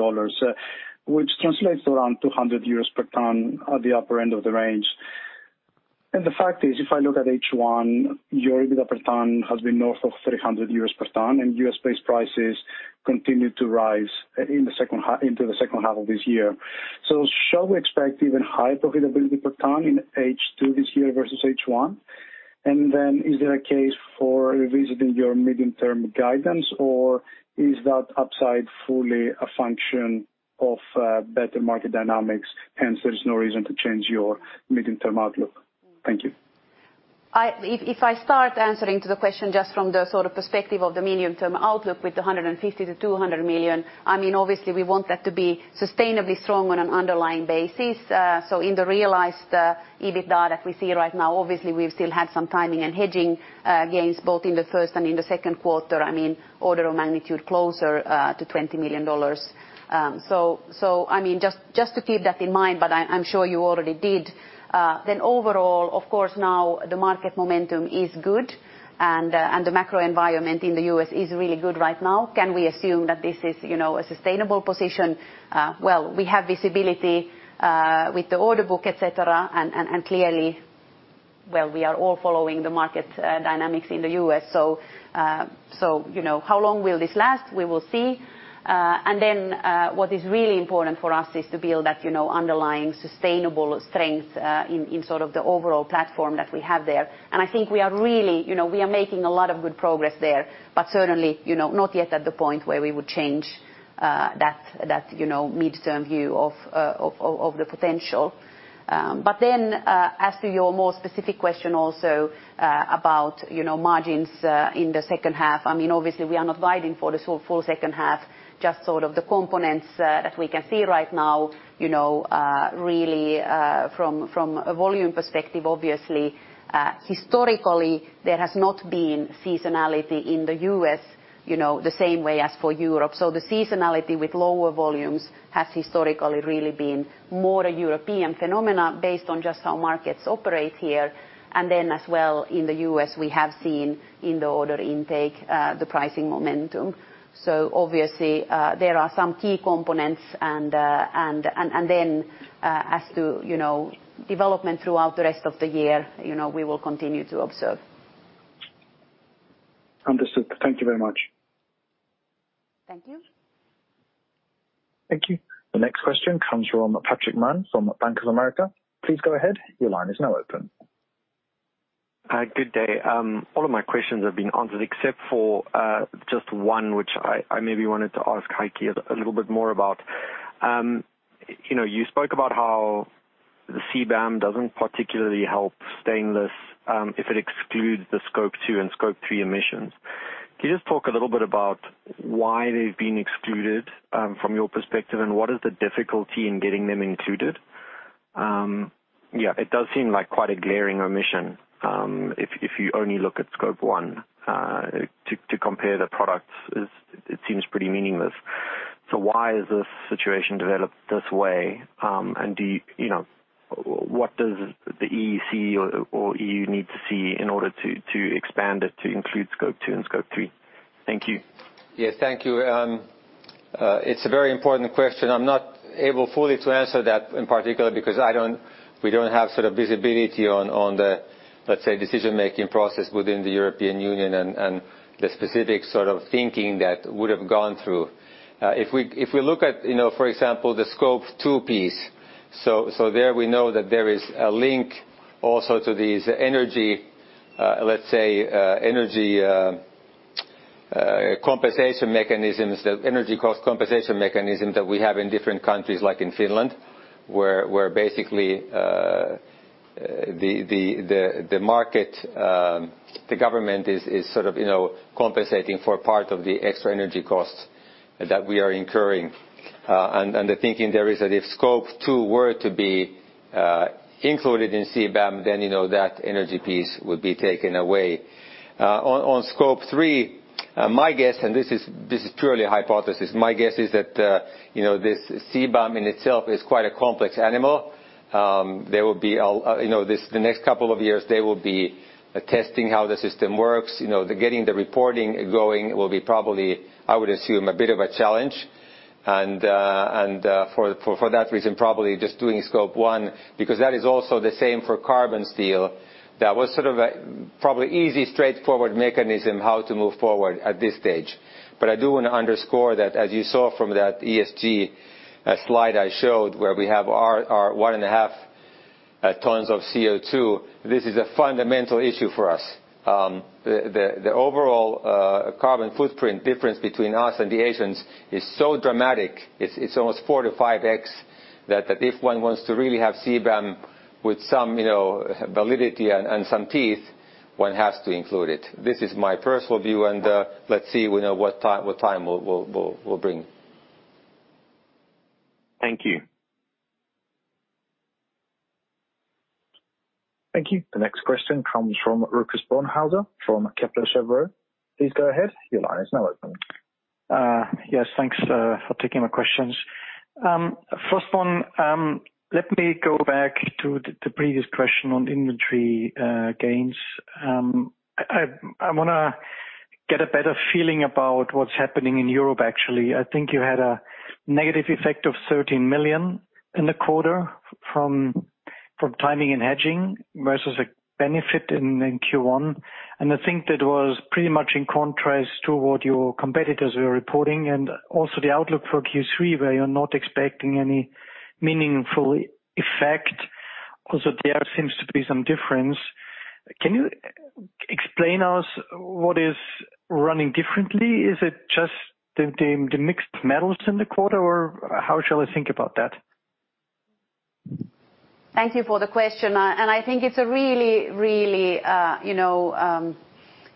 which translates to around 200 euros per ton at the upper end of the range. The fact is, if I look at H1, your EBITDA per ton has been north of 300 euros per ton, and U.S.-based prices continued to rise into the second half of this year. Shall we expect even higher profitability per ton in H2 this year versus H1? Is there a case for revisiting your medium-term guidance, or is that upside fully a function of better market dynamics, hence there's no reason to change your medium-term outlook? Thank you. If I start answering the question just from the perspective of the medium-term outlook with the $50 million-$200 million, obviously we want that to be sustainably strong on an underlying basis. In the realized EBITDA that we see right now, obviously we've still had some timing and hedging gains both in the first and in the second quarter, order of magnitude closer to $20 million. Just to keep that in mind, but I'm sure you already did. Overall, of course, now the market momentum is good and the macro environment in the U.S. is really good right now. Can we assume that this is a sustainable position? Well, we have visibility with the order book, et cetera, and clearly, we are all following the market dynamics in the U.S. How long will this last? We will see. What is really important for us is to build that underlying sustainable strength in the overall platform that we have there. I think we are making a lot of good progress there, but certainly, not yet at the point where we would change that midterm view of the potential. As to your more specific question also about margins in the second half, obviously we are not guiding for the full second half, just the components that we can see right now really from a volume perspective, obviously. Historically, there has not been seasonality in the U.S. the same way as for Europe. The seasonality with lower volumes has historically really been more a European phenomenon based on just how markets operate here. As well in the U.S., we have seen in the order intake the pricing momentum. Obviously there are some key components, and then as to development throughout the rest of the year, we will continue to observe. Understood. Thank you very much. Thank you. Thank you. The next question comes from Patrick Mann from Bank of America. Please go ahead. Your line is now open. Good day. All of my questions have been answered except for just one, which I maybe wanted to ask Heikki a little bit more about. You spoke about how the CBAM doesn't particularly help stainless if it excludes the Scope 2 and Scope 3 emissions. Can you just talk a little bit about why they've been excluded from your perspective, and what is the difficulty in getting them included? Yeah, it does seem like quite a glaring omission if you only look at Scope 1. To compare the products, it seems pretty meaningless. Why has this situation developed this way? What does the EEC or EU need to see in order to expand it to include Scope 2 and Scope 3? Thank you. Yes. Thank you. It's a very important question. I am not able fully to answer that in particular because we don't have visibility on the, let's say, decision-making process within the European Union and the specific thinking that would have gone through. If we look at, for example, the Scope 2 piece, there we know that there is a link also to these energy, let's say, energy cost compensation mechanism that we have in different countries like in Finland, where basically the government is compensating for part of the extra energy costs that we are incurring. The thinking there is that if Scope 2 were to be included in CBAM, then that energy piece would be taken away. On Scope 3, my guess, and this is purely a hypothesis, my guess is that this CBAM in itself is quite a complex animal. The next couple of years, they will be testing how the system works. Getting the reporting going will be probably, I would assume, a bit of a challenge. For that reason, probably just doing Scope 1, because that is also the same for carbon steel, that was probably easy, straightforward mechanism how to move forward at this stage. I do want to underscore that as you saw from that ESG slide I showed where we have our one and a half tons of CO2, this is a fundamental issue for us. The overall carbon footprint difference between us and the Asians is so dramatic. It's almost 4x-5x that if one wants to really have CBAM with some validity and some teeth, one has to include it. This is my personal view, and let's see what time will bring. Thank you. Thank you. The next question comes from Lukas Blaimschein from Kepler Cheuvreux. Please go ahead. Your line is now open. Yes, thanks for taking my questions. First one, let me go back to the previous question on inventory gains. I want to get a better feeling about what's happening in Europe, actually. I think you had a negative effect of 13 million in the quarter from timing and hedging versus a benefit in Q1. I think that was pretty much in contrast to what your competitors were reporting, also the outlook for Q3, where you're not expecting any meaningful effect. There seems to be some difference. Can you explain us what is running differently? Is it just the mixed metals in the quarter, or how shall I think about that? Thank you for the question. I think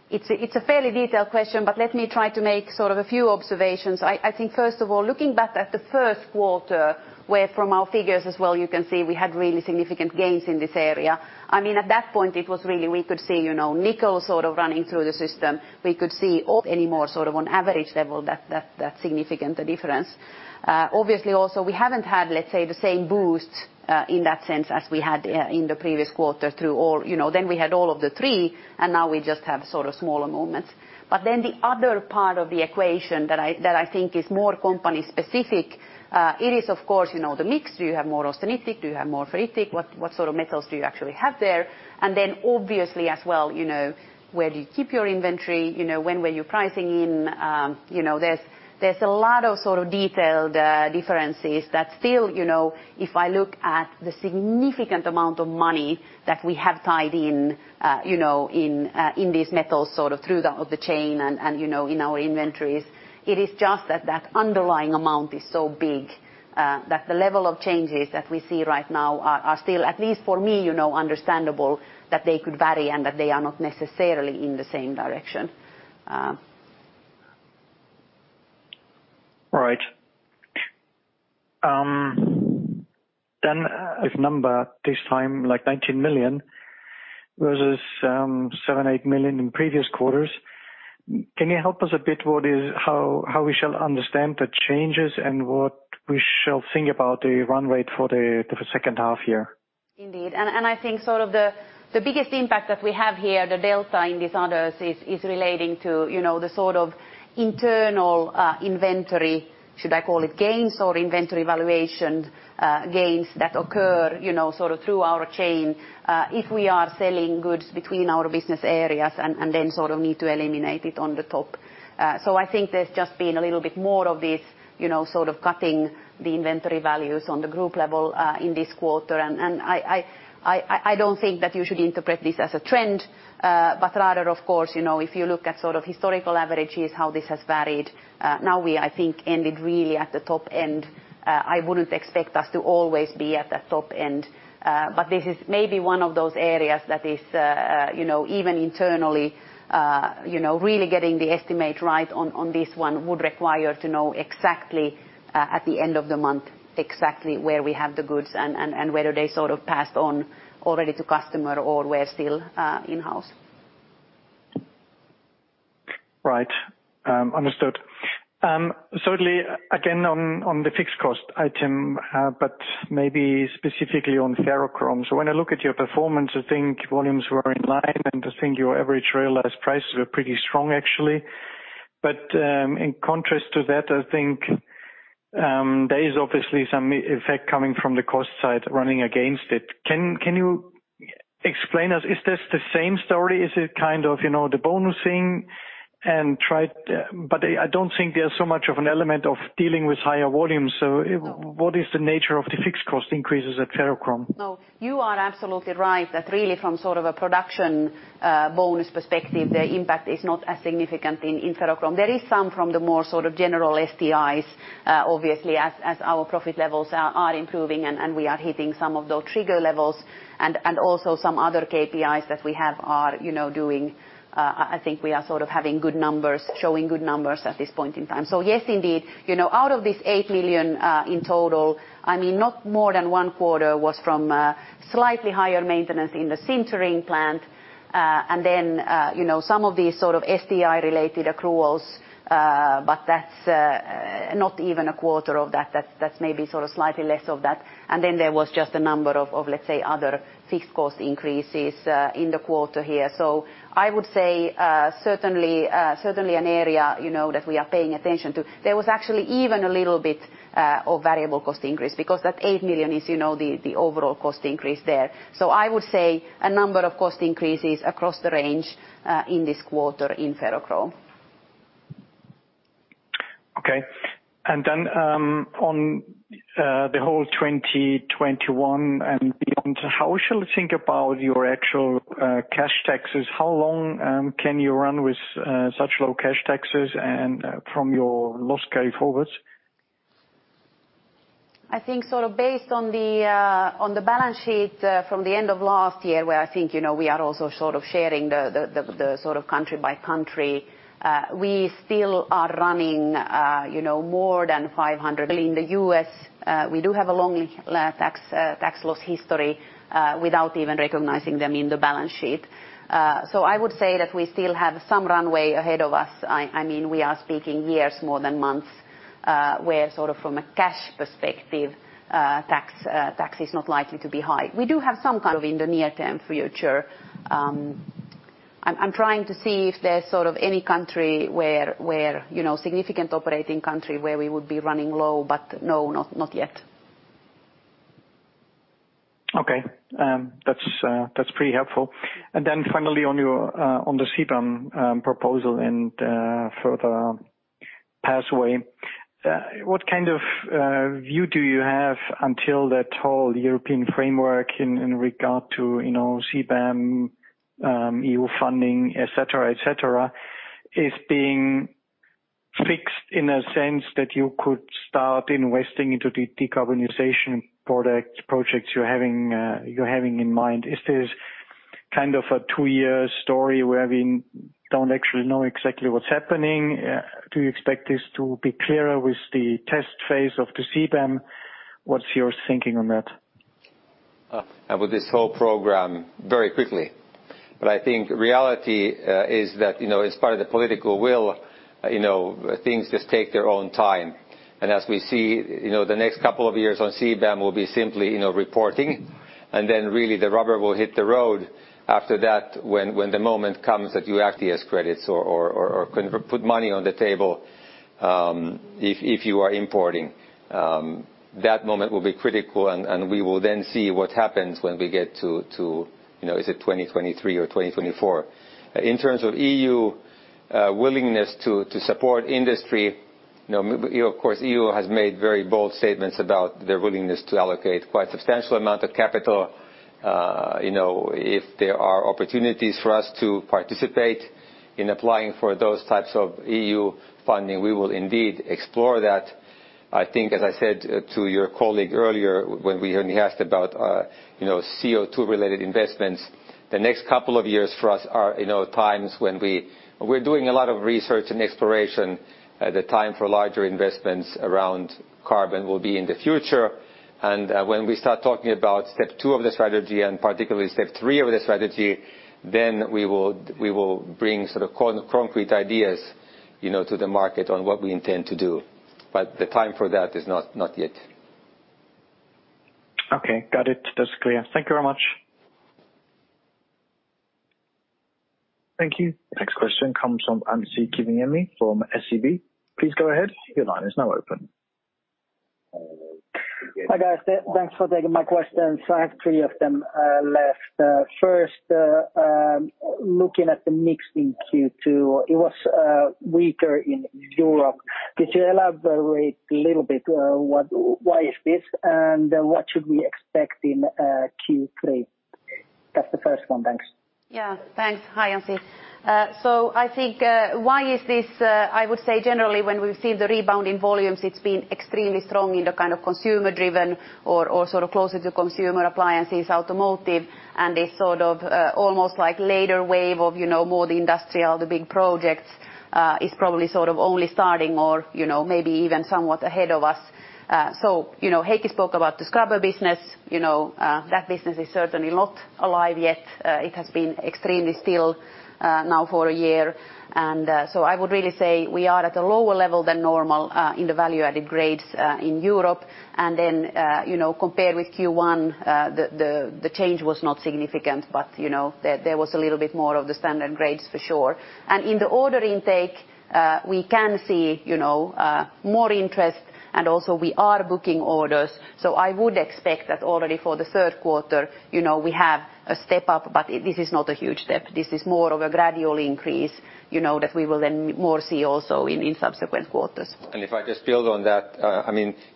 it's a fairly detailed question, but let me try to make a few observations. I think first of all, looking back at the first quarter, where from our figures as well, you can see we had really significant gains in this area. At that point, it was really we could see nickel running through the system. Anymore, on average level, that significant a difference. Obviously, also, we haven't had, let's say, the same boost in that sense, as we had in the previous quarter through all. We had all of the three, and now we just have smaller movements. The other part of the equation that I think is more company specific, it is of course, the mix. Do you have more austenitic? Do you have more ferritic? What sort of metals do you actually have there? Obviously as well, where do you keep your inventory? When were you pricing in? There's a lot of detailed differences that still, if I look at the significant amount of money that we have tied in these metals through the chain and in our inventories, it is just that that underlying amount is so big that the level of changes that we see right now are still, at least for me, understandable that they could vary and that they are not necessarily in the same direction. Right. With number this time, like 19 million versus 7 million, 8 million in previous quarters. Can you help us a bit how we shall understand the changes and what we shall think about the run rate for the second half year? Indeed. I think the biggest impact that we have here, the delta in this others, is relating to the internal inventory. Should I call it gains or inventory valuation gains that occur through our chain if we are selling goods between our business areas, and then need to eliminate it on the top? I think there's just been a little bit more of this cutting the inventory values on the group level in this quarter. I don't think that you should interpret this as a trend, but rather, of course, if you look at historical averages, how this has varied. Now we, I think, ended really at the top end. I wouldn't expect us to always be at the top end. This is maybe one of those areas that is even internally really getting the estimate right on this one would require to know exactly at the end of the month, exactly where we have the goods and whether they passed on already to customer or were still in-house. Right. Understood. Certainly, again, on the fixed cost item, maybe specifically on ferrochrome. When I look at your performance, I think volumes were in line, and I think your average realized prices were pretty strong, actually. In contrast to that, I think there is obviously some effect coming from the cost side running against it. Can you explain us, is this the same story? Is it the bonusing and I don't think there's so much of an element of dealing with higher volumes. What is the nature of the fixed cost increases at ferrochrome? No. You are absolutely right that really from a production bonus perspective, the impact is not as significant in ferrochrome. There is some from the more general STIs obviously as our profit levels are improving and we are hitting some of those trigger levels and also some other KPIs that we have. I think we are having good numbers, showing good numbers at this point in time. Yes, indeed. Out of this 8 million in total, not more than one quarter was from slightly higher maintenance in the sintering plant. Some of these STI related accruals, but that's not even a quarter of that. That's maybe slightly less of that. There was just a number of, let's say, other fixed cost increases in the quarter here. I would say, certainly an area that we are paying attention to. There was actually even a little bit of variable cost increase because that 8 million is the overall cost increase there. I would say a number of cost increases across the range in this quarter in ferrochrome. Okay. Then on the whole 2021 and beyond, how we shall think about your actual cash taxes? How long can you run with such low cash taxes and from your loss carryforwards? I think based on the balance sheet from the end of last year, where I think we are also sharing the country by country. We still are running more than 500. In the U.S., we do have a long tax loss history without even recognizing them in the balance sheet. I would say that we still have some runway ahead of us. We are speaking years more than months. From a cash perspective, tax is not likely to be high. We do have some kind of in the near term future. I am trying to see if there is any significant operating country where we would be running low, no, not yet. Okay. That's pretty helpful. Finally on the CBAM proposal and further pathway, what kind of view do you have until that whole European framework in regard to CBAM, EU funding, et cetera, is being fixed in a sense that you could start investing into the decarbonization projects you're having in mind? Is this kind of a two-year story where we don't actually know exactly what's happening? Do you expect this to be clearer with the test phase of the CBAM? What's your thinking on that? With this whole program, very quickly, but I think reality is that, as part of the political will, things just take their own time. As we see, the next couple of years on CBAM will be simply reporting, and then really the rubber will hit the road after that when the moment comes that you act as credits or put money on the table, if you are importing. That moment will be critical, and we will then see what happens when we get to, is it 2023 or 2024? In terms of EU willingness to support industry, of course, EU has made very bold statements about their willingness to allocate quite substantial amount of capital. If there are opportunities for us to participate in applying for those types of EU funding, we will indeed explore that. I think, as I said to your colleague earlier when he asked about CO2-related investments, the next couple of years for us are times when we're doing a lot of research and exploration. The time for larger investments around carbon will be in the future. When we start talking about step 2 of the strategy, and particularly step three of the strategy, then we will bring concrete ideas to the market on what we intend to do. The time for that is not yet. Okay. Got it. That's clear. Thank you very much. Thank you. Next question comes from Anssi Kiviniemi from SEB. Please go ahead. Hi, guys. Thanks for taking my questions. I have three of them left. First, looking at the mix in Q2, it was weaker in Europe. Could you elaborate a little bit why is this, and what should we expect in Q3? That's the first one. Thanks. Yeah. Thanks. Hi, Anssi. I think, why is this? I would say generally when we've seen the rebound in volumes, it's been extremely strong in the kind of consumer-driven or closer to consumer appliances, automotive, and a sort of almost like later wave of more the industrial, the big projects is probably only starting or maybe even somewhat ahead of us. Heikki spoke about the scrubber business. That business is certainly not alive yet. It has been extremely still now for a year. I would really say we are at a lower level than normal in the value-added grades in Europe. Compared with Q1, the change was not significant, but there was a little bit more of the standard grades for sure. In the order intake, we can see more interest, and also we are booking orders. I would expect that already for the third quarter, we have a step up, but this is not a huge step. This is more of a gradual increase, that we will then more see also in subsequent quarters. If I just build on that,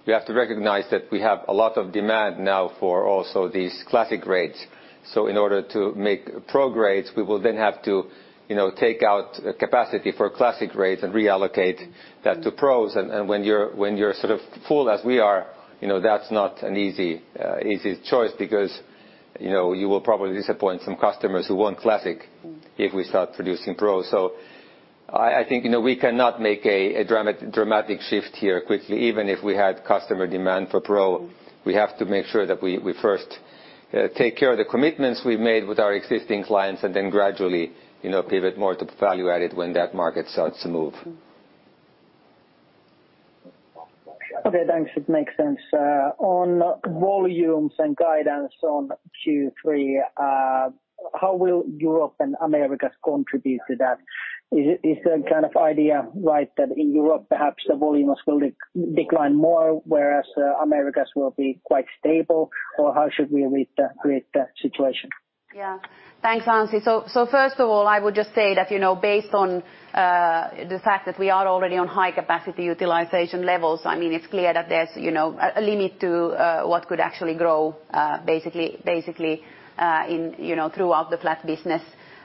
we have to recognize that we have a lot of demand now for also these Classic grades. In order to make Pro grades, we will then have to take out capacity for Classic grades and reallocate that to Pros. When you're full as we are, that's not an easy choice because you will probably disappoint some customers who want Classic if we start producing pro. I think we cannot make a dramatic shift here quickly, even if we had customer demand for pro. We have to make sure that we first take care of the commitments we've made with our existing clients and then gradually pivot more to value-added when that market starts to move. Okay, thanks. It makes sense. On volumes and guidance on Q3, how will Europe and Americas contribute to that? Is the kind of idea right that in Europe perhaps the volumes will decline more, whereas Americas will be quite stable, or how should we read that situation? Thanks, Anssi. First of all, I would just say that based on the fact that we are already on high capacity utilization levels, it's clear that there's a limit to what could actually grow basically throughout the flat business.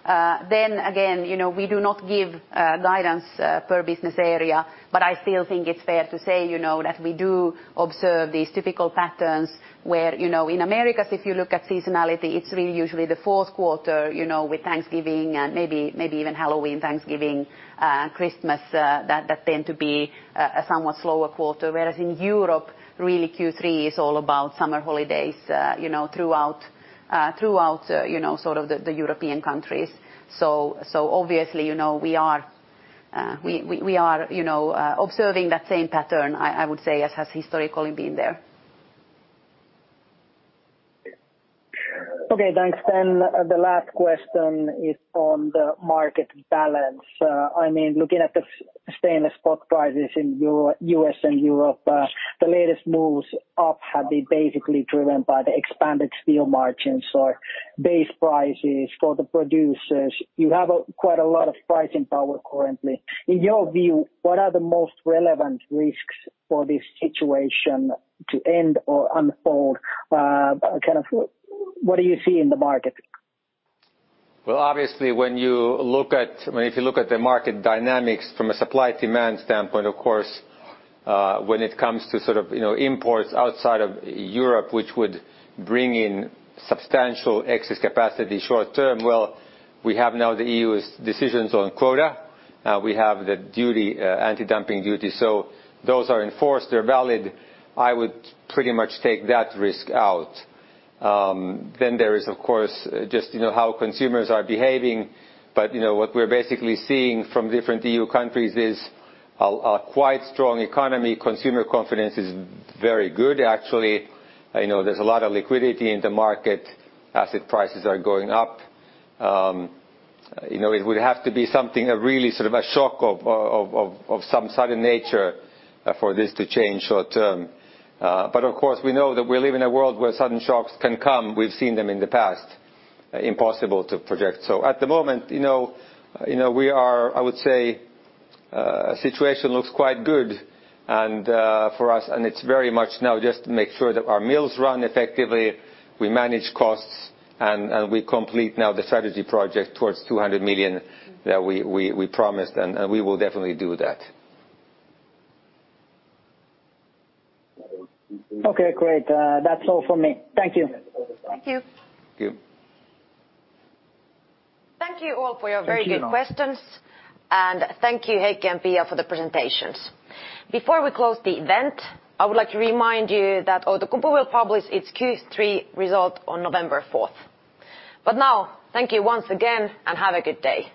Again, we do not give guidance per business area, but I still think it's fair to say that we do observe these typical patterns where in Americas, if you look at seasonality, it's really usually the fourth quarter, with Thanksgiving and maybe even Halloween, Thanksgiving, Christmas, that tend to be a somewhat slower quarter. Whereas in Europe, really Q3 is all about summer holidays throughout the European countries. Obviously, we are observing that same pattern, I would say, as has historically been there. Okay, thanks. The last question is on the market balance. Looking at the stainless spot prices in U.S. and Europe, the latest moves up have been basically driven by the expanded steel margins or base prices for the producers. You have quite a lot of pricing power currently. In your view, what are the most relevant risks for this situation to end or unfold? What do you see in the market? Obviously, if you look at the market dynamics from a supply-demand standpoint, of course, when it comes to imports outside of Europe, which would bring in substantial excess capacity short term, we have now the EU's decisions on quota. We have the anti-dumping duty. Those are enforced, they're valid. I would pretty much take that risk out. There is, of course, just how consumers are behaving. What we're basically seeing from different EU countries is a quite strong economy. Consumer confidence is very good, actually. There's a lot of liquidity in the market. Asset prices are going up. It would have to be something, really a shock of some sudden nature for this to change short term. Of course, we know that we live in a world where sudden shocks can come. We've seen them in the past. Impossible to project. At the moment, I would say, situation looks quite good for us, and it's very much now just to make sure that our mills run effectively, we manage costs, and we complete now the strategy project towards 200 million that we promised, and we will definitely do that. Okay, great. That's all from me. Thank you. Thank you. Thank you. Thank you all for your very good questions, and thank you, Heikki and Pia, for the presentations. Now, thank you once again, and have a good day. Before we close the event, I would like to remind you that Outokumpu will publish its Q3 result on November 4th. Now, thank you once again and have a good day.